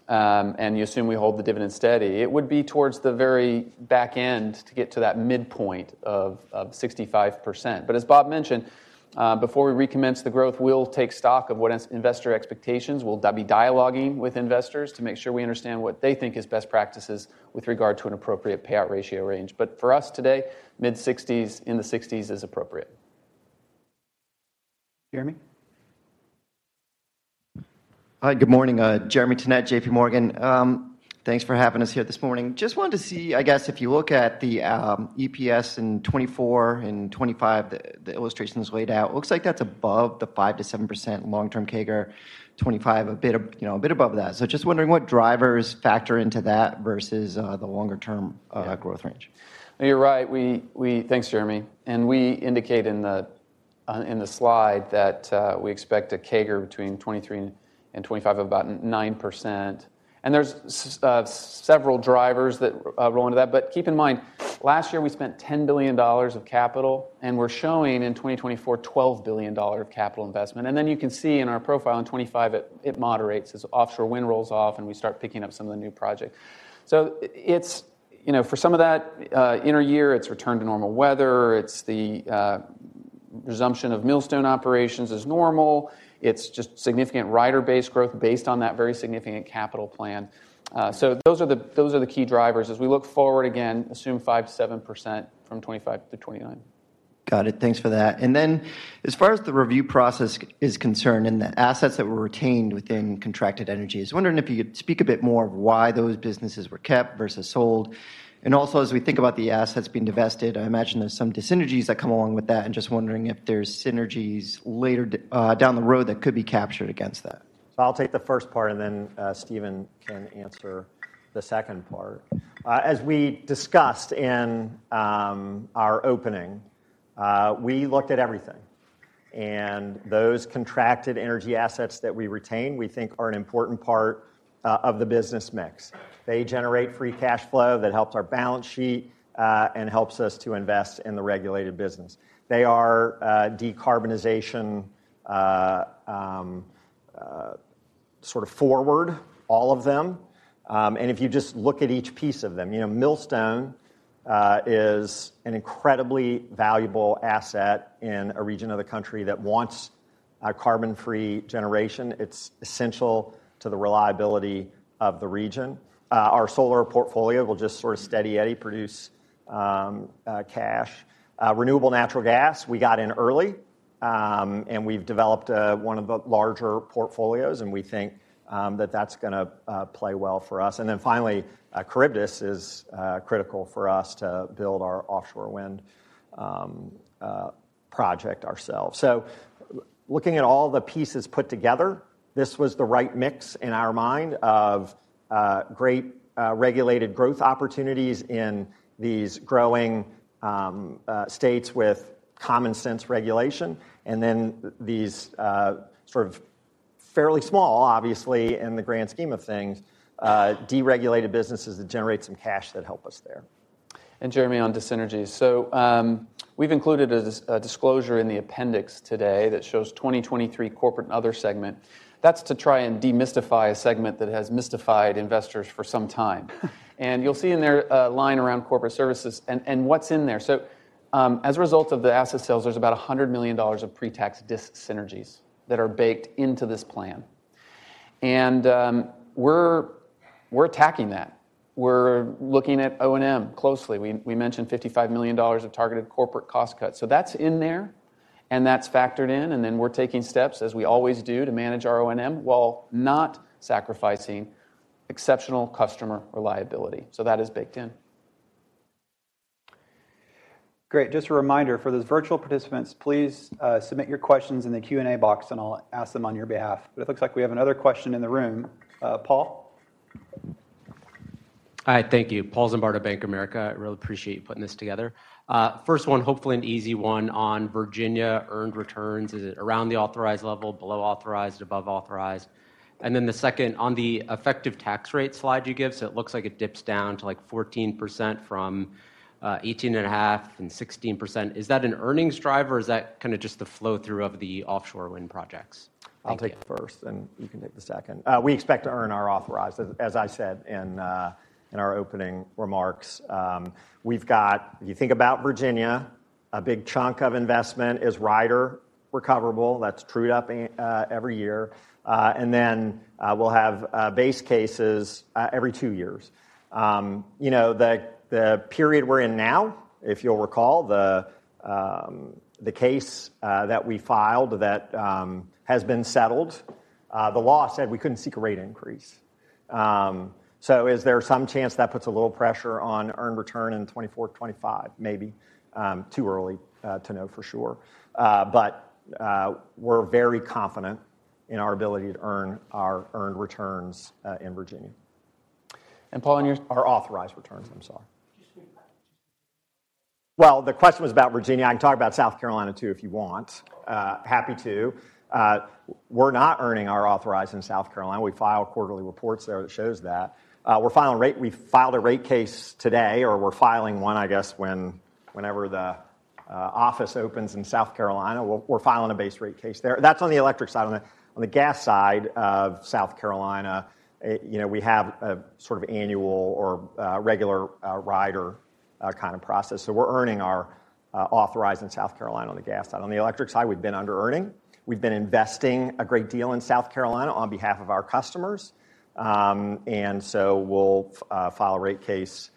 and you assume we hold the dividend steady, it would be towards the very back end to get to that midpoint of 65%. But as Bob mentioned, before we recommence the growth, we'll take stock of what investor expectations. We'll be dialoguing with investors to make sure we understand what they think is best practices with regard to an appropriate payout ratio range. But for us today, mid-60s, in the 60s is appropriate. Jeremy? Hi, good morning, Jeremy Tonet, JPMorgan. Thanks for having us here this morning. Just wanted to see, I guess, if you look at the EPS in 2024 and 2025, the illustrations laid out, looks like that's above the 5%-7% long-term CAGR, 2025, a bit, you know, a bit above that. So just wondering what drivers factor into that versus the longer term growth range. You're right. Thanks, Jeremy, and we indicate in the slide that we expect a CAGR between 2023 and 2025 about 9%. There's several drivers that roll into that. But keep in mind, last year, we spent $10 billion of capital, and we're showing in 2024, $12 billion of capital investment. Then you can see in our profile in 2025, it moderates as offshore wind rolls off, and we start picking up some of the new project. So it's, you know, for some of that inner year, it's return to normal weather, it's the resumption of Millstone operations as normal. It's just significant rider-based growth based on that very significant capital plan. So those are the key drivers. As we look forward again, assume 5%-7% from 2025 to 2029. Got it. Thanks for that. And then, as far as the review process is concerned, and the assets that were retained within contracted energy, I was wondering if you could speak a bit more of why those businesses were kept versus sold. And also, as we think about the assets being divested, I imagine there's some dyssynergies that come along with that, and just wondering if there's synergies later down the road that could be captured against that. So I'll take the first part, and then, Steven can answer the second part. As we discussed in our opening, we looked at everything, and those contracted energy assets that we retained, we think are an important part of the business mix. They generate free cash flow that helps our balance sheet and helps us to invest in the regulated business. They are decarbonization sort of forward, all of them. And if you just look at each piece of them, you know, Millstone is an incredibly valuable asset in a region of the country that wants a carbon-free generation. It's essential to the reliability of the region. Our solar portfolio will just sort of steady Eddie produce cash. Renewable natural gas, we got in early, and we've developed one of the larger portfolios, and we think that that's gonna play well for us. And then finally, Charybdis is critical for us to build our offshore wind project ourselves. So looking at all the pieces put together, this was the right mix in our mind of great regulated growth opportunities in these growing states with common sense regulation, and then these sort of fairly small, obviously, in the grand scheme of things, deregulated businesses that generate some cash that help us there. And Jeremy, on dyssynergies. So, we've included a disclosure in the appendix today that shows 2023 corporate and other segment. That's to try and demystify a segment that has mystified investors for some time. And you'll see in there a line around corporate services and what's in there. So, as a result of the asset sales, there's about $100 million of pre-tax dyssynergies that are baked into this plan. And, we're attacking that. We're looking at O&M closely. We mentioned $55 million of targeted corporate cost cuts. So that's in there, and that's factored in, and then we're taking steps, as we always do, to manage our O&M, while not sacrificing exceptional customer reliability. So that is baked in. Great, just a reminder, for those virtual participants, please, submit your questions in the Q&A box, and I'll ask them on your behalf. But it looks like we have another question in the room. Paul? Hi, thank you. Paul Zimbardo, Bank of America. I really appreciate you putting this together. First one, hopefully an easy one on Virginia earned returns. Is it around the authorized level, below authorized, above authorized? And then the second, on the effective tax rate slide you give, so it looks like it dips down to, like, 14% from 18.5% and 16%. Is that an earnings driver, or is that kinda just the flow-through of the offshore wind projects? Thank you. I'll take the first, and you can take the second. We expect to earn our authorized, as I said in our opening remarks. We've got... If you think about Virginia, a big chunk of investment is rider recoverable. That's trued up every year. And then, we'll have base cases every two years. You know, the period we're in now, if you'll recall, the case that we filed that has been settled, the law said we couldn't seek a rate increase. So is there some chance that puts a little pressure on earned return in 2024, 2025? Maybe. Too early to know for sure. But, we're very confident in our ability to earn our earned returns in Virginia. And Paul, on your- Our authorized returns. I'm sorry. Can you just repeat that? Well, the question was about Virginia. I can talk about South Carolina, too, if you want. Happy to. We're not earning our authorized in South Carolina. We file quarterly reports there that shows that. We're filing a rate case today, or we're filing one, I guess, whenever the office opens in South Carolina. We're filing a base rate case there. That's on the electric side. On the gas side of South Carolina, you know, we have a sort of annual or regular rider kind of process. So we're earning our authorized in South Carolina on the gas side. On the electric side, we've been under-earning. We've been investing a great deal in South Carolina on behalf of our customers. And so we'll file a rate case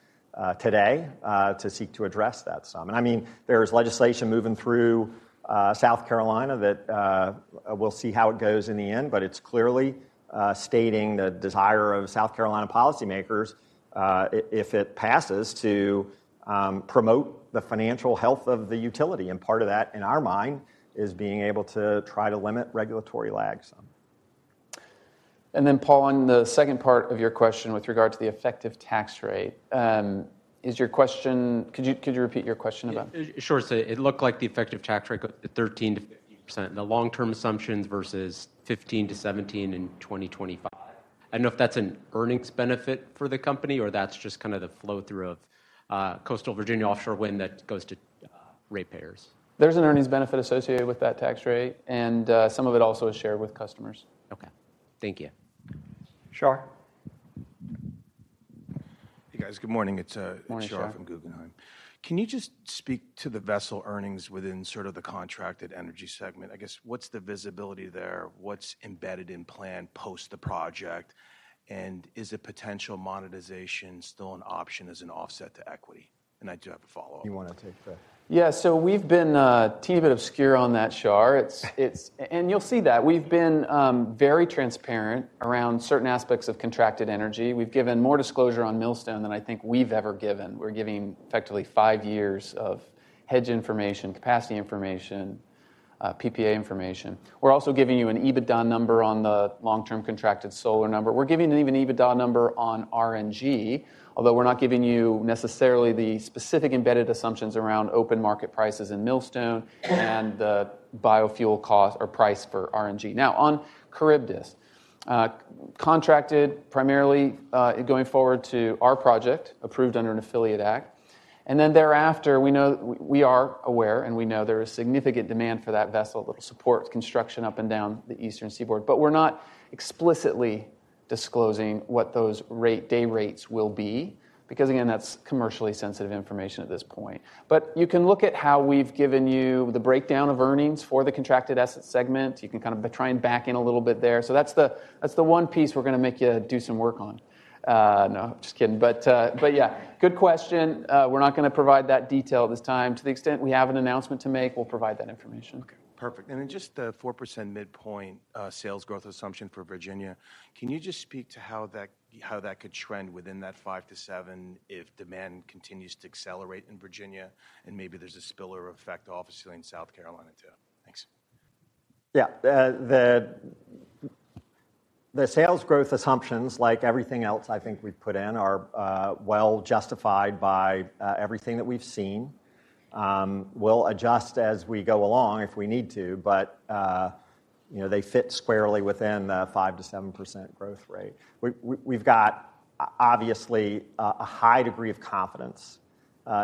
today to seek to address that sum. And I mean, there's legislation moving through South Carolina that we'll see how it goes in the end, but it's clearly stating the desire of South Carolina policymakers, if it passes, to promote the financial health of the utility, and part of that, in our mind, is being able to try to limit regulatory lag some. ... Then Paul, on the second part of your question with regard to the effective tax rate, is your question? Could you repeat your question about— Sure. So it looked like the effective tax rate got to 13%-15% in the long-term assumptions versus 15%-17% in 2025. I don't know if that's an earnings benefit for the company, or that's just kind of the flow-through of, Coastal Virginia Offshore Wind that goes to, ratepayers. There's an earnings benefit associated with that tax rate, and some of it also is shared with customers. Okay. Thank you. Shar? Hey, guys. Good morning. It's Morning, Shar. Shar from Guggenheim. Can you just speak to the vessel earnings within sort of the contracted energy segment? I guess, what's the visibility there? What's embedded in plan post the project, and is a potential monetization still an option as an offset to equity? And I do have a follow-up. You want to take that? Yeah. So we've been a teeny bit obscure on that, Shar. It's. And you'll see that. We've been very transparent around certain aspects of contracted energy. We've given more disclosure on Millstone than I think we've ever given. We're giving effectively five years of hedge information, capacity information, PPA information. We're also giving you an EBITDA number on the long-term contracted solar number. We're giving an even EBITDA number on RNG, although we're not giving you necessarily the specific embedded assumptions around open market prices in Millstone and the biofuel cost or price for RNG. Now, on Charybdis, contracted primarily going forward to our project, approved under an affiliate act, and then thereafter, we know we are aware, and we know there is significant demand for that vessel that will support construction up and down the Eastern Seaboard. But we're not explicitly disclosing what those day rates will be because, again, that's commercially sensitive information at this point. But you can look at how we've given you the breakdown of earnings for the contracted asset segment. You can kind of try and back in a little bit there. So that's the one piece we're going to make you do some work on. No, just kidding. But yeah, good question. We're not going to provide that detail at this time. To the extent we have an announcement to make, we'll provide that information. Okay, perfect. And then just the 4% midpoint, sales growth assumption for Virginia, can you just speak to how that, how that could trend within that 5%-7% if demand continues to accelerate in Virginia, and maybe there's a spillover effect obviously in South Carolina, too? Thanks. Yeah. The sales growth assumptions, like everything else I think we've put in, are well justified by everything that we've seen. We'll adjust as we go along if we need to, but you know, they fit squarely within the 5%-7% growth rate. We've got obviously a high degree of confidence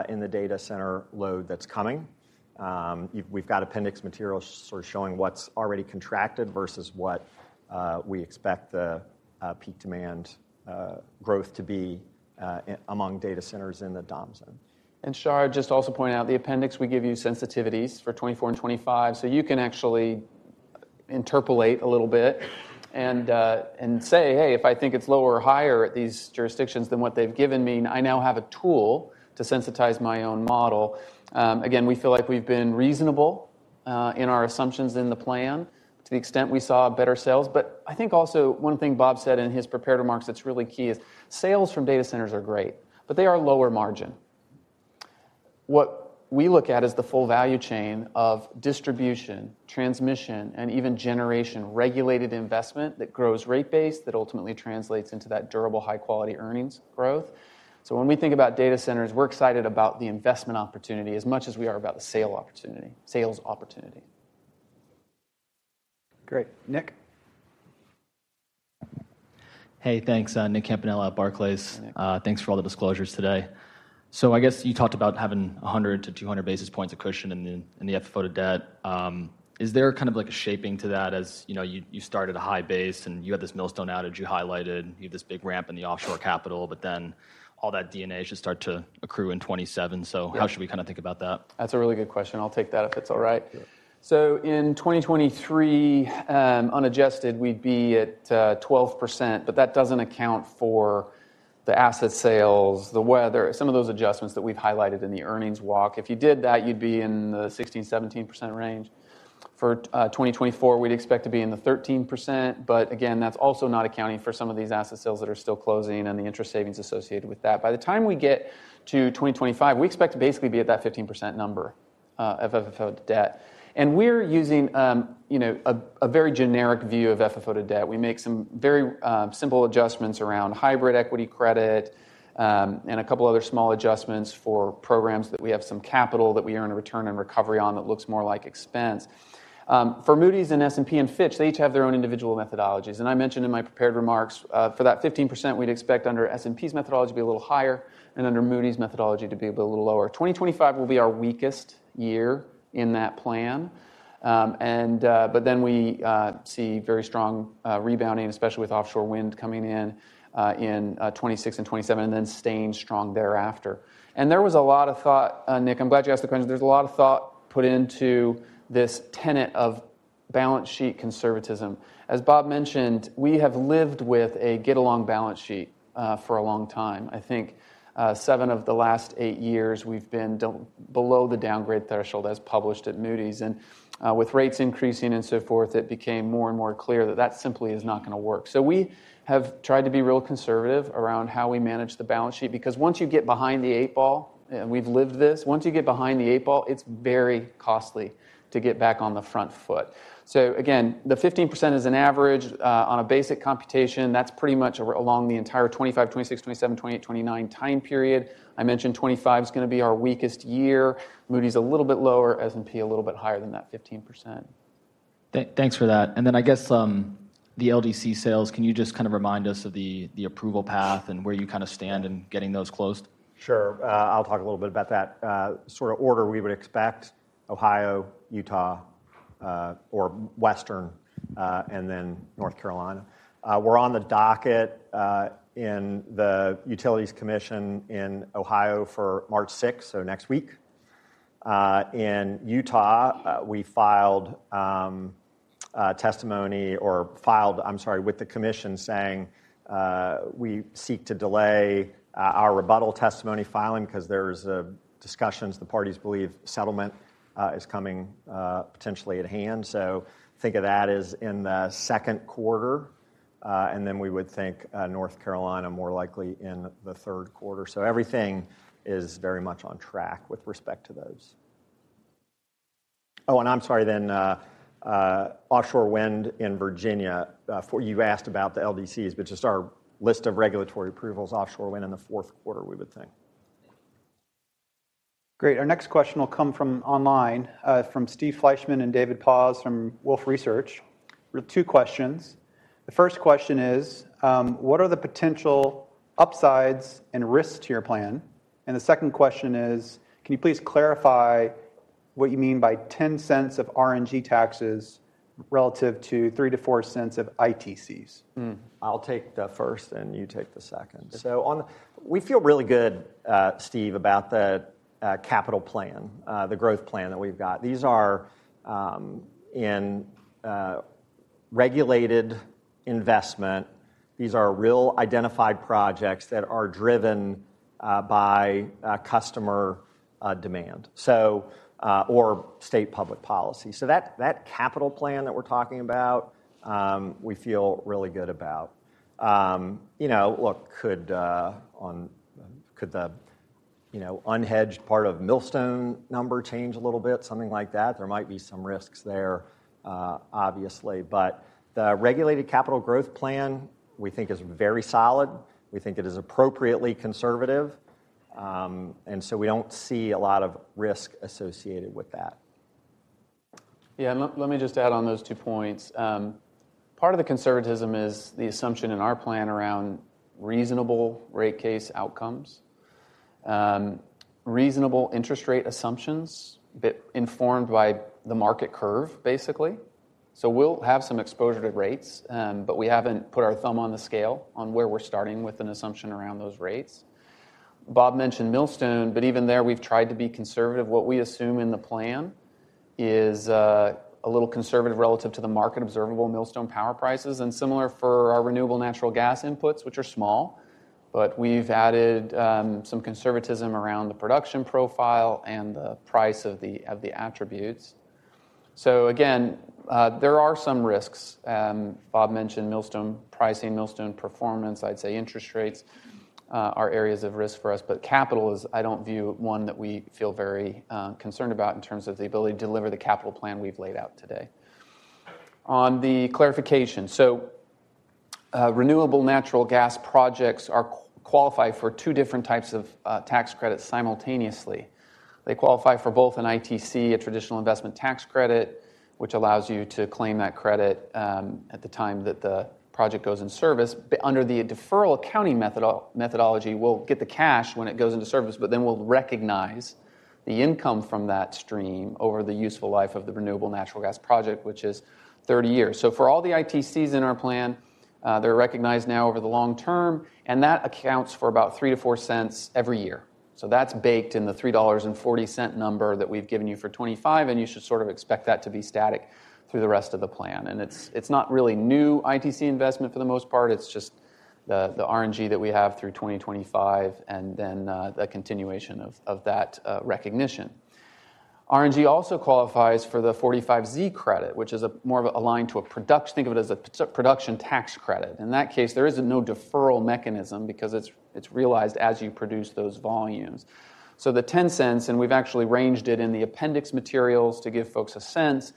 in the data center load that's coming. We've got appendix materials sort of showing what's already contracted versus what we expect the peak demand growth to be among data centers in the DOM Zone. And Shar, just also point out, the appendix, we give you sensitivities for 2024 and 2025, so you can actually interpolate a little bit and say, "Hey, if I think it's lower or higher at these jurisdictions than what they've given me, I now have a tool to sensitize my own model." Again, we feel like we've been reasonable in our assumptions in the plan to the extent we saw better sales. But I think also one thing Bob said in his prepared remarks that's really key is sales from data centers are great, but they are lower margin. What we look at is the full value chain of distribution, transmission, and even generation, regulated investment that grows rate base, that ultimately translates into that durable, high-quality earnings growth. When we think about data centers, we're excited about the investment opportunity as much as we are about the sale opportunity, sales opportunity. Great. Nick? Hey, thanks. Nick Campanella at Barclays. Hey, Nick. Thanks for all the disclosures today. So I guess you talked about having 100-200 basis points of cushion in the FFO to debt. Is there kind of like a shaping to that as, you know, you started a high base, and you had this Millstone outage you highlighted, you have this big ramp in the offshore capital, but then all that D&A should start to accrue in 2027. So- Yeah. How should we kind of think about that? That's a really good question. I'll take that if it's all right. Yeah. So in 2023, unadjusted, we'd be at 12%, but that doesn't account for the asset sales, the weather, some of those adjustments that we've highlighted in the earnings walk. If you did that, you'd be in the 16%-17% range. For 2024, we'd expect to be in the 13%, but again, that's also not accounting for some of these asset sales that are still closing and the interest savings associated with that. By the time we get to 2025, we expect to basically be at that 15% number, FFO to debt. And we're using, you know, a very generic view of FFO to debt. We make some very simple adjustments around hybrid equity credit, and a couple of other small adjustments for programs that we have some capital that we earn a return and recovery on that looks more like expense. For Moody's and S&P and Fitch, they each have their own individual methodologies, and I mentioned in my prepared remarks, for that 15%, we'd expect under S&P's methodology to be a little higher and under Moody's methodology to be a little lower. 2025 will be our weakest year in that plan. And but then we see very strong rebounding, especially with offshore wind coming in in 2026 and 2027, and then staying strong thereafter. And there was a lot of thought, Nick, I'm glad you asked the question. There's a lot of thought put into this tenet of balance sheet conservatism. As Bob mentioned, we have lived with a get-along balance sheet for a long time. I think, seven of the last eight years, we've been below the downgrade threshold as published at Moody's, and, with rates increasing and so forth, it became more and more clear that that simply is not going to work. So we have tried to be real conservative around how we manage the balance sheet, because once you get behind the eight ball, and we've lived this, once you get behind the eight ball, it's very costly to get back on the front foot. So again, the 15% is an average, on a basic computation, that's pretty much over along the entire 2025, 2026, 2027, 2028, 2029 time period. I mentioned 2025 is gonna be our weakest year. Moody's a little bit lower, S&P a little bit higher than that 15%. Thanks for that. And then I guess, the LDC sales, can you just kind of remind us of the approval path and where you kind of stand in getting those closed? Sure. I'll talk a little bit about that. Sort of order we would expect Ohio, Utah, or Western, and then North Carolina. We're on the docket in the Utilities Commission in Ohio for March sixth, so next week. In Utah, we filed a testimony or filed, I'm sorry, with the commission saying, we seek to delay our rebuttal testimony filing because there's discussions the parties believe settlement is coming, potentially at hand. So think of that as in the second quarter, and then we would think, North Carolina, more likely in the third quarter. So everything is very much on track with respect to those. Oh, and I'm sorry, then, offshore wind in Virginia, you asked about the LDCs, but just our list of regulatory approvals, offshore wind in the fourth quarter, we would think. Great. Our next question will come from online, from Steve Fleishman and David Paz from Wolfe Research, with two questions. The first question is: "What are the potential upsides and risks to your plan?" And the second question is: "Can you please clarify what you mean by $0.10 of RNG taxes relative to $0.03-$0.04 of ITCs? I'll take the first, and you take the second. So on the we feel really good, Steve, about the capital plan, the growth plan that we've got. These are in regulated investment. These are real identified projects that are driven by customer demand, so, or state public policy. So that, that capital plan that we're talking about, we feel really good about. You know, look, could the, you know, unhedged part of Millstone number change a little bit, something like that? There might be some risks there, obviously, but the regulated capital growth plan, we think is very solid. We think it is appropriately conservative, and so we don't see a lot of risk associated with that. Yeah, and let me just add on those two points. Part of the conservatism is the assumption in our plan around reasonable rate case outcomes, reasonable interest rate assumptions, but informed by the market curve, basically. So we'll have some exposure to rates, but we haven't put our thumb on the scale on where we're starting with an assumption around those rates. Bob mentioned Millstone, but even there, we've tried to be conservative. What we assume in the plan is a little conservative relative to the market, observable Millstone power prices, and similar for our renewable natural gas inputs, which are small, but we've added some conservatism around the production profile and the price of the attributes. So again, there are some risks. Bob mentioned Millstone pricing, Millstone performance. I'd say interest rates are areas of risk for us, but capital is, I don't view one that we feel very concerned about in terms of the ability to deliver the capital plan we've laid out today. On the clarification, renewable natural gas projects qualify for two different types of tax credits simultaneously. They qualify for both an ITC, a traditional investment tax credit, which allows you to claim that credit at the time that the project goes in service. Under the deferral accounting methodology, we'll get the cash when it goes into service, but then we'll recognize the income from that stream over the useful life of the renewable natural gas project, which is 30 years. So for all the ITCs in our plan, they're recognized now over the long term, and that accounts for about $0.03-$0.04 every year. So that's baked in the $3.40 number that we've given you for 2025, and you should sort of expect that to be static through the rest of the plan. And it's, it's not really new ITC investment for the most part. It's just the, the RNG that we have through 2025, and then, the continuation of, of that, recognition. RNG also qualifies for the 45Z credit, which is more aligned to a product, think of it as a production tax credit. In that case, there is no deferral mechanism because it's, it's realized as you produce those volumes. So the $0.10, and we've actually ranged it in the appendix materials to give folks a sense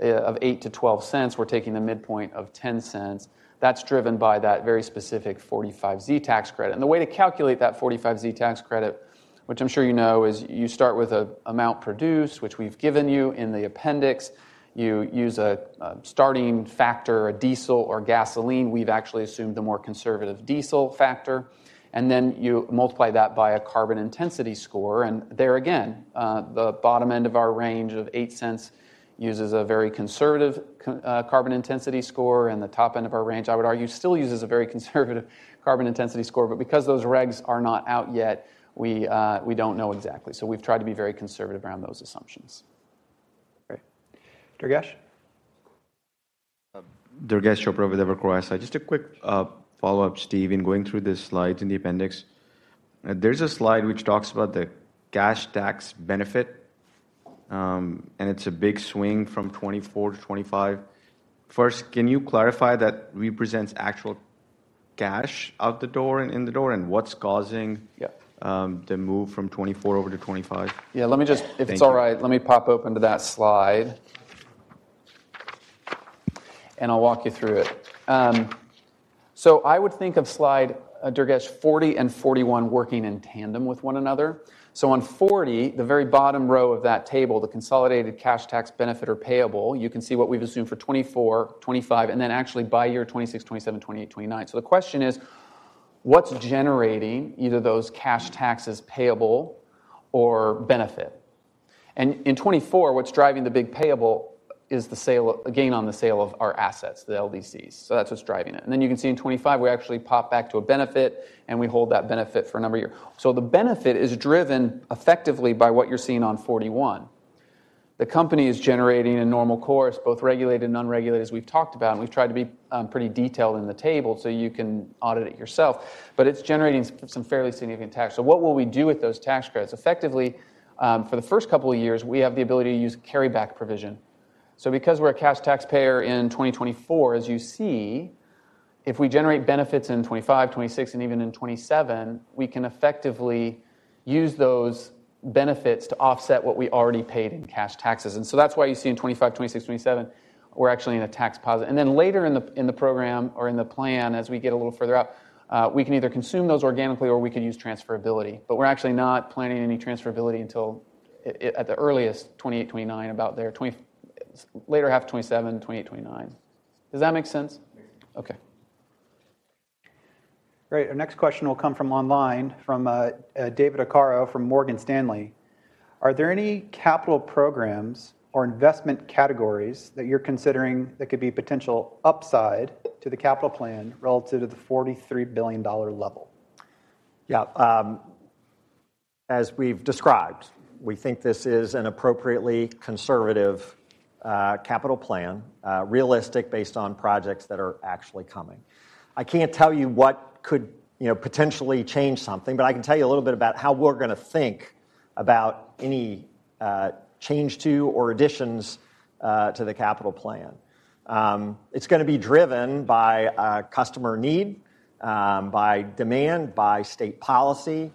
of $0.08-$0.12, we're taking the midpoint of $0.10. That's driven by that very specific 45Z tax credit. And the way to calculate that 45Z tax credit, which I'm sure you know, is you start with an amount produced, which we've given you in the appendix. You use a starting factor, a diesel or gasoline. We've actually assumed the more conservative diesel factor, and then you multiply that by a carbon intensity score, and there again, the bottom end of our range of $0.08 uses a very conservative carbon intensity score, and the top end of our range, I would argue, still uses a very conservative carbon intensity score, but because those regs are not out yet, we don't know exactly. So we've tried to be very conservative around those assumptions. Great. Durges? Durgesh Chopra with Evercore ISI. Just a quick follow-up, Steve. In going through the slides in the appendix, there's a slide which talks about the cash tax benefit and it's a big swing from 2024 to 2025. First, can you clarify that represents actual cash out the door and in the door, and what's causing- Yeah. the move from 2024 over to 2025? Yeah, let me just- Thank you. If it's all right, let me pop open to that slide, and I'll walk you through it. So I would think of slide Durgesh 40 and 41 working in tandem with one another. So on 40, the very bottom row of that table, the consolidated cash tax benefit or payable, you can see what we've assumed for 2024, 2025, and then actually by year 2026, 2027, 2028, 2029. So the question is, what's generating either those cash taxes payable or benefit? And in 2024, what's driving the big payable is the sale of a gain on the sale of our assets, the LDCs, so that's what's driving it. And then you can see in 2025, we actually pop back to a benefit, and we hold that benefit for a number of years. So the benefit is driven effectively by what you're seeing on 41. The company is generating a normal course, both regulated and non-regulated, as we've talked about, and we've tried to be pretty detailed in the table, so you can audit it yourself. But it's generating some fairly significant tax. So what will we do with those tax credits? Effectively, for the first couple of years, we have the ability to use carryback provision. So because we're a cash taxpayer in 2024, as you see, if we generate benefits in 2025, 2026, and even in 2027, we can effectively use those benefits to offset what we already paid in cash taxes. And so that's why you see in 2025, 2026, 2027, we're actually in a tax positive. Then later in the program or in the plan, as we get a little further out, we can either consume those organically or we can use transferability, but we're actually not planning any transferability until, at the earliest, 2028, 2029, about there, later half of 2027, 2028, 2029. Does that make sense? Yes. Okay. Great. Our next question will come from online, from David Arcaro from Morgan Stanley. Are there any capital programs or investment categories that you're considering that could be potential upside to the capital plan relative to the $43 billion level? Yeah, as we've described, we think this is an appropriately conservative capital plan, realistic, based on projects that are actually coming. I can't tell you what could, you know, potentially change something, but I can tell you a little bit about how we're going to think about any change to or additions to the capital plan. It's going to be driven by customer need, by demand, by state policy,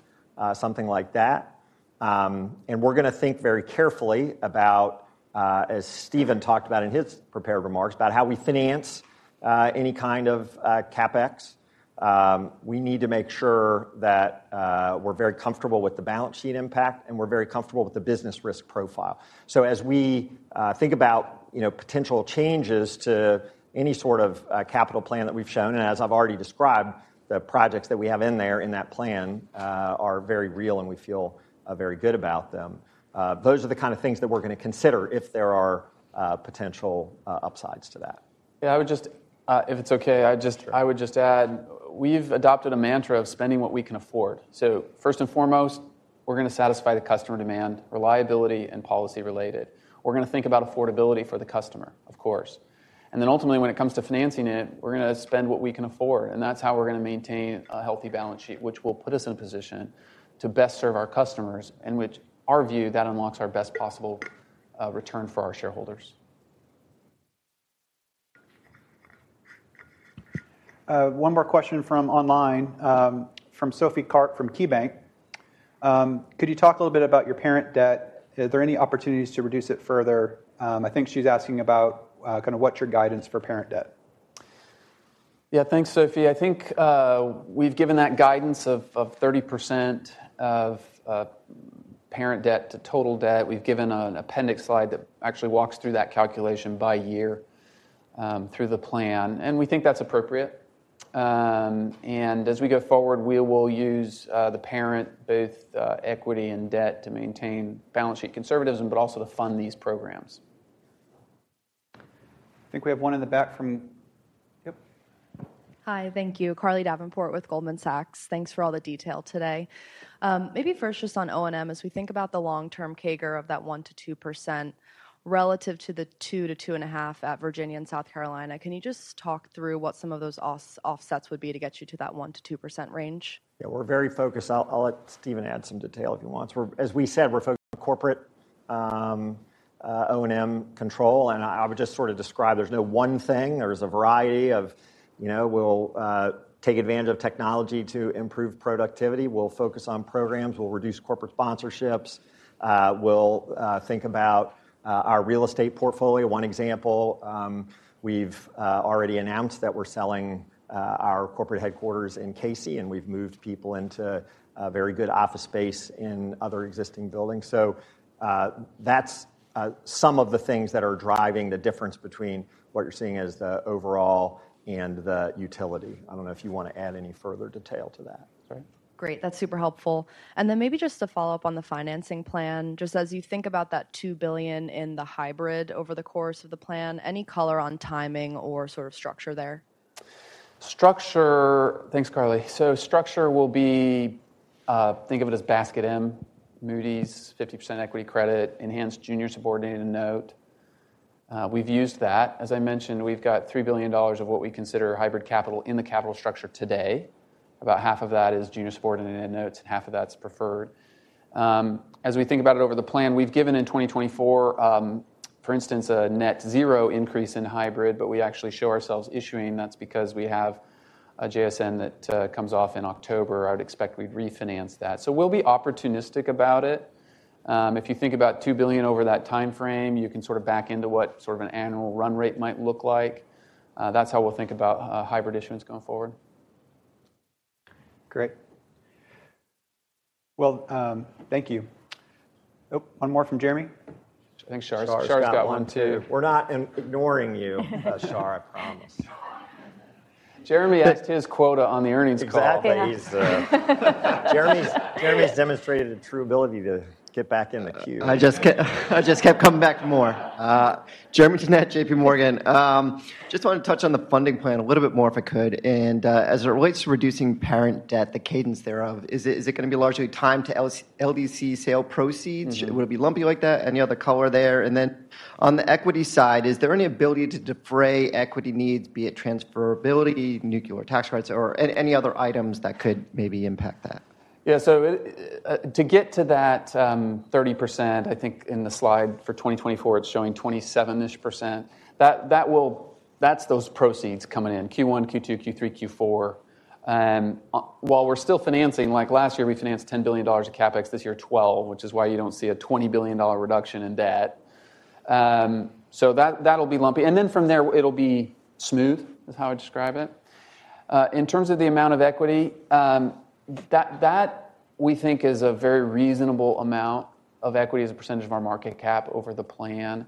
something like that. And we're going to think very carefully about, as Steven talked about in his prepared remarks, about how we finance any kind of CapEx. We need to make sure that we're very comfortable with the balance sheet impact, and we're very comfortable with the business risk profile. So as we think about, you know, potential changes to any sort of capital plan that we've shown, and as I've already described, the projects that we have in there, in that plan are very real, and we feel very good about them. Those are the kind of things that we're going to consider if there are potential upsides to that. Yeah, I would just, if it's okay, I just- Sure. I would just add, we've adopted a mantra of spending what we can afford. So first and foremost, we're going to satisfy the customer demand, reliability, and policy-related. We're going to think about affordability for the customer, of course. And then ultimately, when it comes to financing it, we're going to spend what we can afford, and that's how we're going to maintain a healthy balance sheet, which will put us in a position to best serve our customers, and which our view, that unlocks our best possible return for our shareholders. One more question from online, from Sophie Karp, from KeyBanc. Could you talk a little bit about your parent debt? Are there any opportunities to reduce it further? I think she's asking about, kind of what's your guidance for parent debt. Yeah, thanks, Sophie. I think we've given that guidance of 30% of parent debt to total debt. We've given an appendix slide that actually walks through that calculation by year through the plan, and we think that's appropriate. And as we go forward, we will use the parent both equity and debt to maintain balance sheet conservatism, but also to fund these programs. I think we have one in the back from... Yep. Hi, thank you. Carly Davenport with Goldman Sachs. Thanks for all the detail today. Maybe first just on O&M, as we think about the long-term CAGR of that 1%-2% relative to the 2%-2.5% at Virginia and South Carolina, can you just talk through what some of those offsets would be to get you to that 1%-2% range? Yeah, we're very focused. I'll let Steven add some detail if he wants. We're, as we said, we're focused on corporate O&M control, and I would just sort of describe, there's no one thing. There's a variety of, you know, we'll take advantage of technology to improve productivity. We'll focus on programs. We'll reduce corporate sponsorships. We'll think about our real estate portfolio. One example, we've already announced that we're selling our corporate headquarters in Cayce, and we've moved people into very good office space in other existing buildings. So, that's some of the things that are driving the difference between what you're seeing as the overall and the utility. I don't know if you want to add any further detail to that. Great, that's super helpful. And then maybe just to follow up on the financing plan, just as you think about that $2 billion in the hybrid over the course of the plan, any color on timing or sort of structure there? Structure... Thanks, Carly. So structure will be, think of it as Basket C, Moody's 50% equity credit, enhanced junior subordinated note. We've used that. As I mentioned, we've got $3 billion of what we consider hybrid capital in the capital structure today. About half of that is junior subordinated notes, and half of that's preferred. As we think about it over the plan, we've given in 2024, for instance, a net zero increase in hybrid, but we actually show ourselves issuing. That's because we have a JSN that comes off in October. I would expect we'd refinance that. So we'll be opportunistic about it. If you think about $2 billion over that timeframe, you can sort of back into what sort of an annual run rate might look like. That's how we'll think about hybrid issuance going forward. Great. Well, thank you. Oh, one more from Jeremy? I think Shar, Shar's got one too. We're not ignoring you, Shar, I promise. Jeremy asked his quota on the earnings call. Exactly. Jeremy's demonstrated a true ability to get back in the queue. I just kept coming back for more. Jeremy Tonet, JPMorgan. Just wanted to touch on the funding plan a little bit more, if I could. And, as it relates to reducing parent debt, the cadence thereof, is it, is it gonna be largely timed to LDC sale proceeds? Mm-hmm. Would it be lumpy like that? Any other color there? And then on the equity side, is there any ability to defray equity needs, be it transferability, nuclear tax credits, or any other items that could maybe impact that? Yeah, so it, to get to that, 30%, I think in the slide for 2024, it's showing 27%-ish. That, that's those proceeds coming in Q1, Q2, Q3, Q4. While we're still financing, like last year, we financed $10 billion of CapEx, this year, 12, which is why you don't see a $20 billion reduction in debt. So that, that'll be lumpy. And then from there, it'll be smooth, is how I'd describe it. In terms of the amount of equity, that, that we think is a very reasonable amount of equity as a percentage of our market cap over the plan.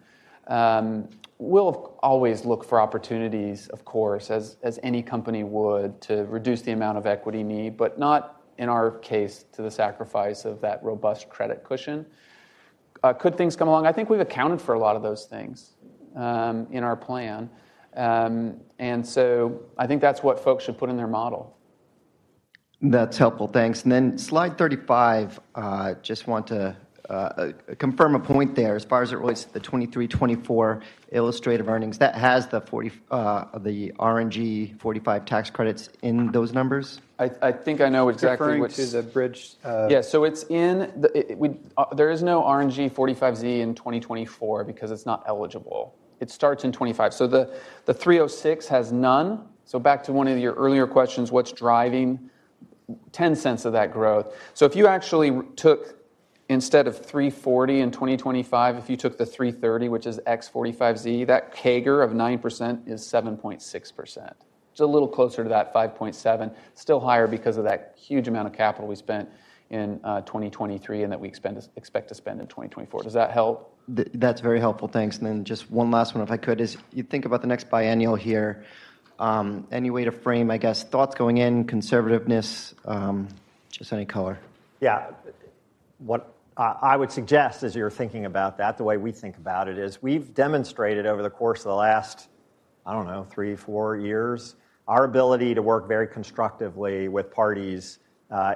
We'll always look for opportunities, of course, as, as any company would, to reduce the amount of equity need, but not in our case, to the sacrifice of that robust credit cushion. Could things come along? I think we've accounted for a lot of those things in our plan. And so I think that's what folks should put in their model. That's helpful. Thanks. And then slide 35, just want to confirm a point there. As far as it relates to the 2023, 2024 illustrative earnings, that has the 45, the RNG 45 tax credits in those numbers? I think I know exactly what- Referring to the bridge, Yeah, so there is no RNG 45Z in 2024 because it's not eligible. It starts in 2025. So the 306 has none. So back to one of your earlier questions, what's driving $0.10 of that growth? So if you actually took, instead of 340 in 2025, if you took the 330, which is X 45Z, that CAGR of 9% is 7.6%. It's a little closer to that 5.7. Still higher because of that huge amount of capital we spent in 2023 and that we expect to spend in 2024. Does that help? That's very helpful. Thanks. And then just one last one, if I could, is: you think about the next biennial here, any way to frame, I guess, thoughts going in, conservativeness, just any color? Yeah. What I would suggest, as you're thinking about that, the way we think about it, is we've demonstrated over the course of the last, I don't know, three, four years, our ability to work very constructively with parties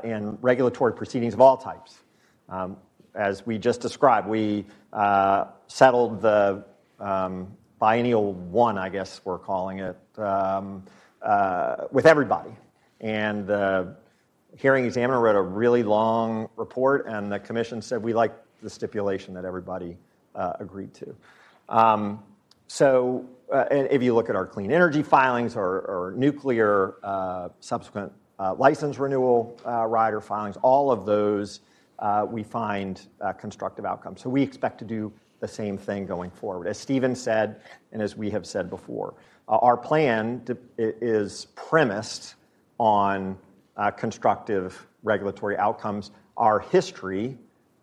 in regulatory proceedings of all types. As we just described, we settled the Biennial one, I guess we're calling it, with everybody. The hearing examiner wrote a really long report, and the commission said, "We like the stipulation that everybody agreed to." If you look at our clean energy filings or nuclear Subsequent License Renewal rider filings, all of those, we find constructive outcomes. So we expect to do the same thing going forward. As Steven said, and as we have said before, our plan is premised on constructive regulatory outcomes. Our history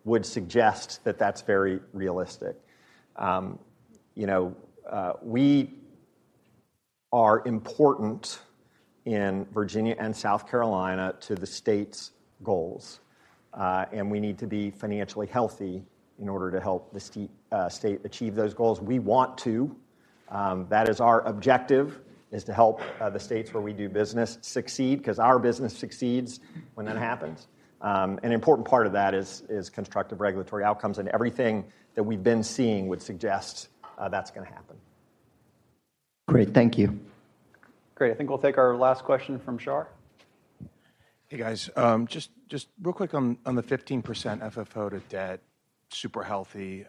would suggest that that's very realistic. You know, we are important in Virginia and South Carolina to the states' goals, and we need to be financially healthy in order to help the state achieve those goals. We want to, that is our objective, is to help the states where we do business succeed, because our business succeeds when that happens. An important part of that is constructive regulatory outcomes, and everything that we've been seeing would suggest that's gonna happen. Great. Thank you. Great, I think we'll take our last question from Shar. Hey, guys. Just real quick on the 15% FFO to debt, super healthy.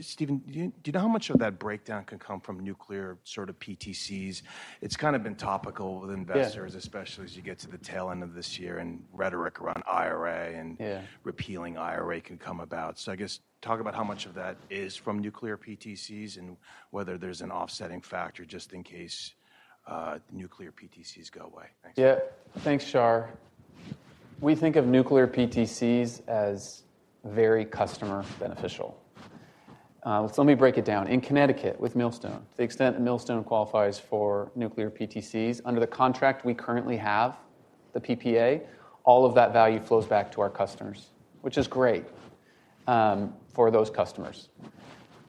Steven, do you know how much of that breakdown can come from nuclear sort of PTCs? It's kind of been topical with investors- Yeah... especially as you get to the tail end of this year and rhetoric around IRA and- Yeah Repealing IRA can come about. So I guess, talk about how much of that is from nuclear PTCs and whether there's an offsetting factor, just in case nuclear PTCs go away. Thanks. Yeah. Thanks, Shar. We think of nuclear PTCs as very customer beneficial. So let me break it down. In Connecticut, with Millstone, the extent that Millstone qualifies for nuclear PTCs, under the contract we currently have, the PPA, all of that value flows back to our customers, which is great for those customers.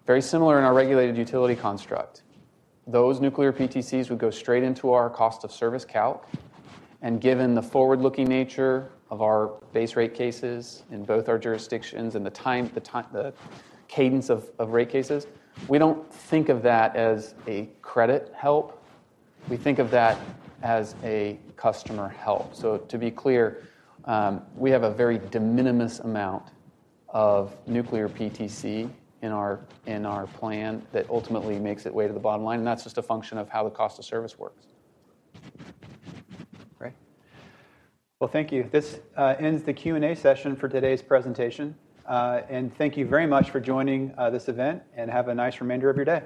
Very similar in our regulated utility construct. Those nuclear PTCs would go straight into our cost of service calc, and given the forward-looking nature of our base rate cases in both our jurisdictions and the time, the cadence of rate cases, we don't think of that as a credit help. We think of that as a customer help. To be clear, we have a very de minimis amount of nuclear PTC in our plan that ultimately makes it way to the bottom line, and that's just a function of how the cost of service works. Great. Well, thank you. This ends the Q&A session for today's presentation, and thank you very much for joining this event, and have a nice remainder of your day.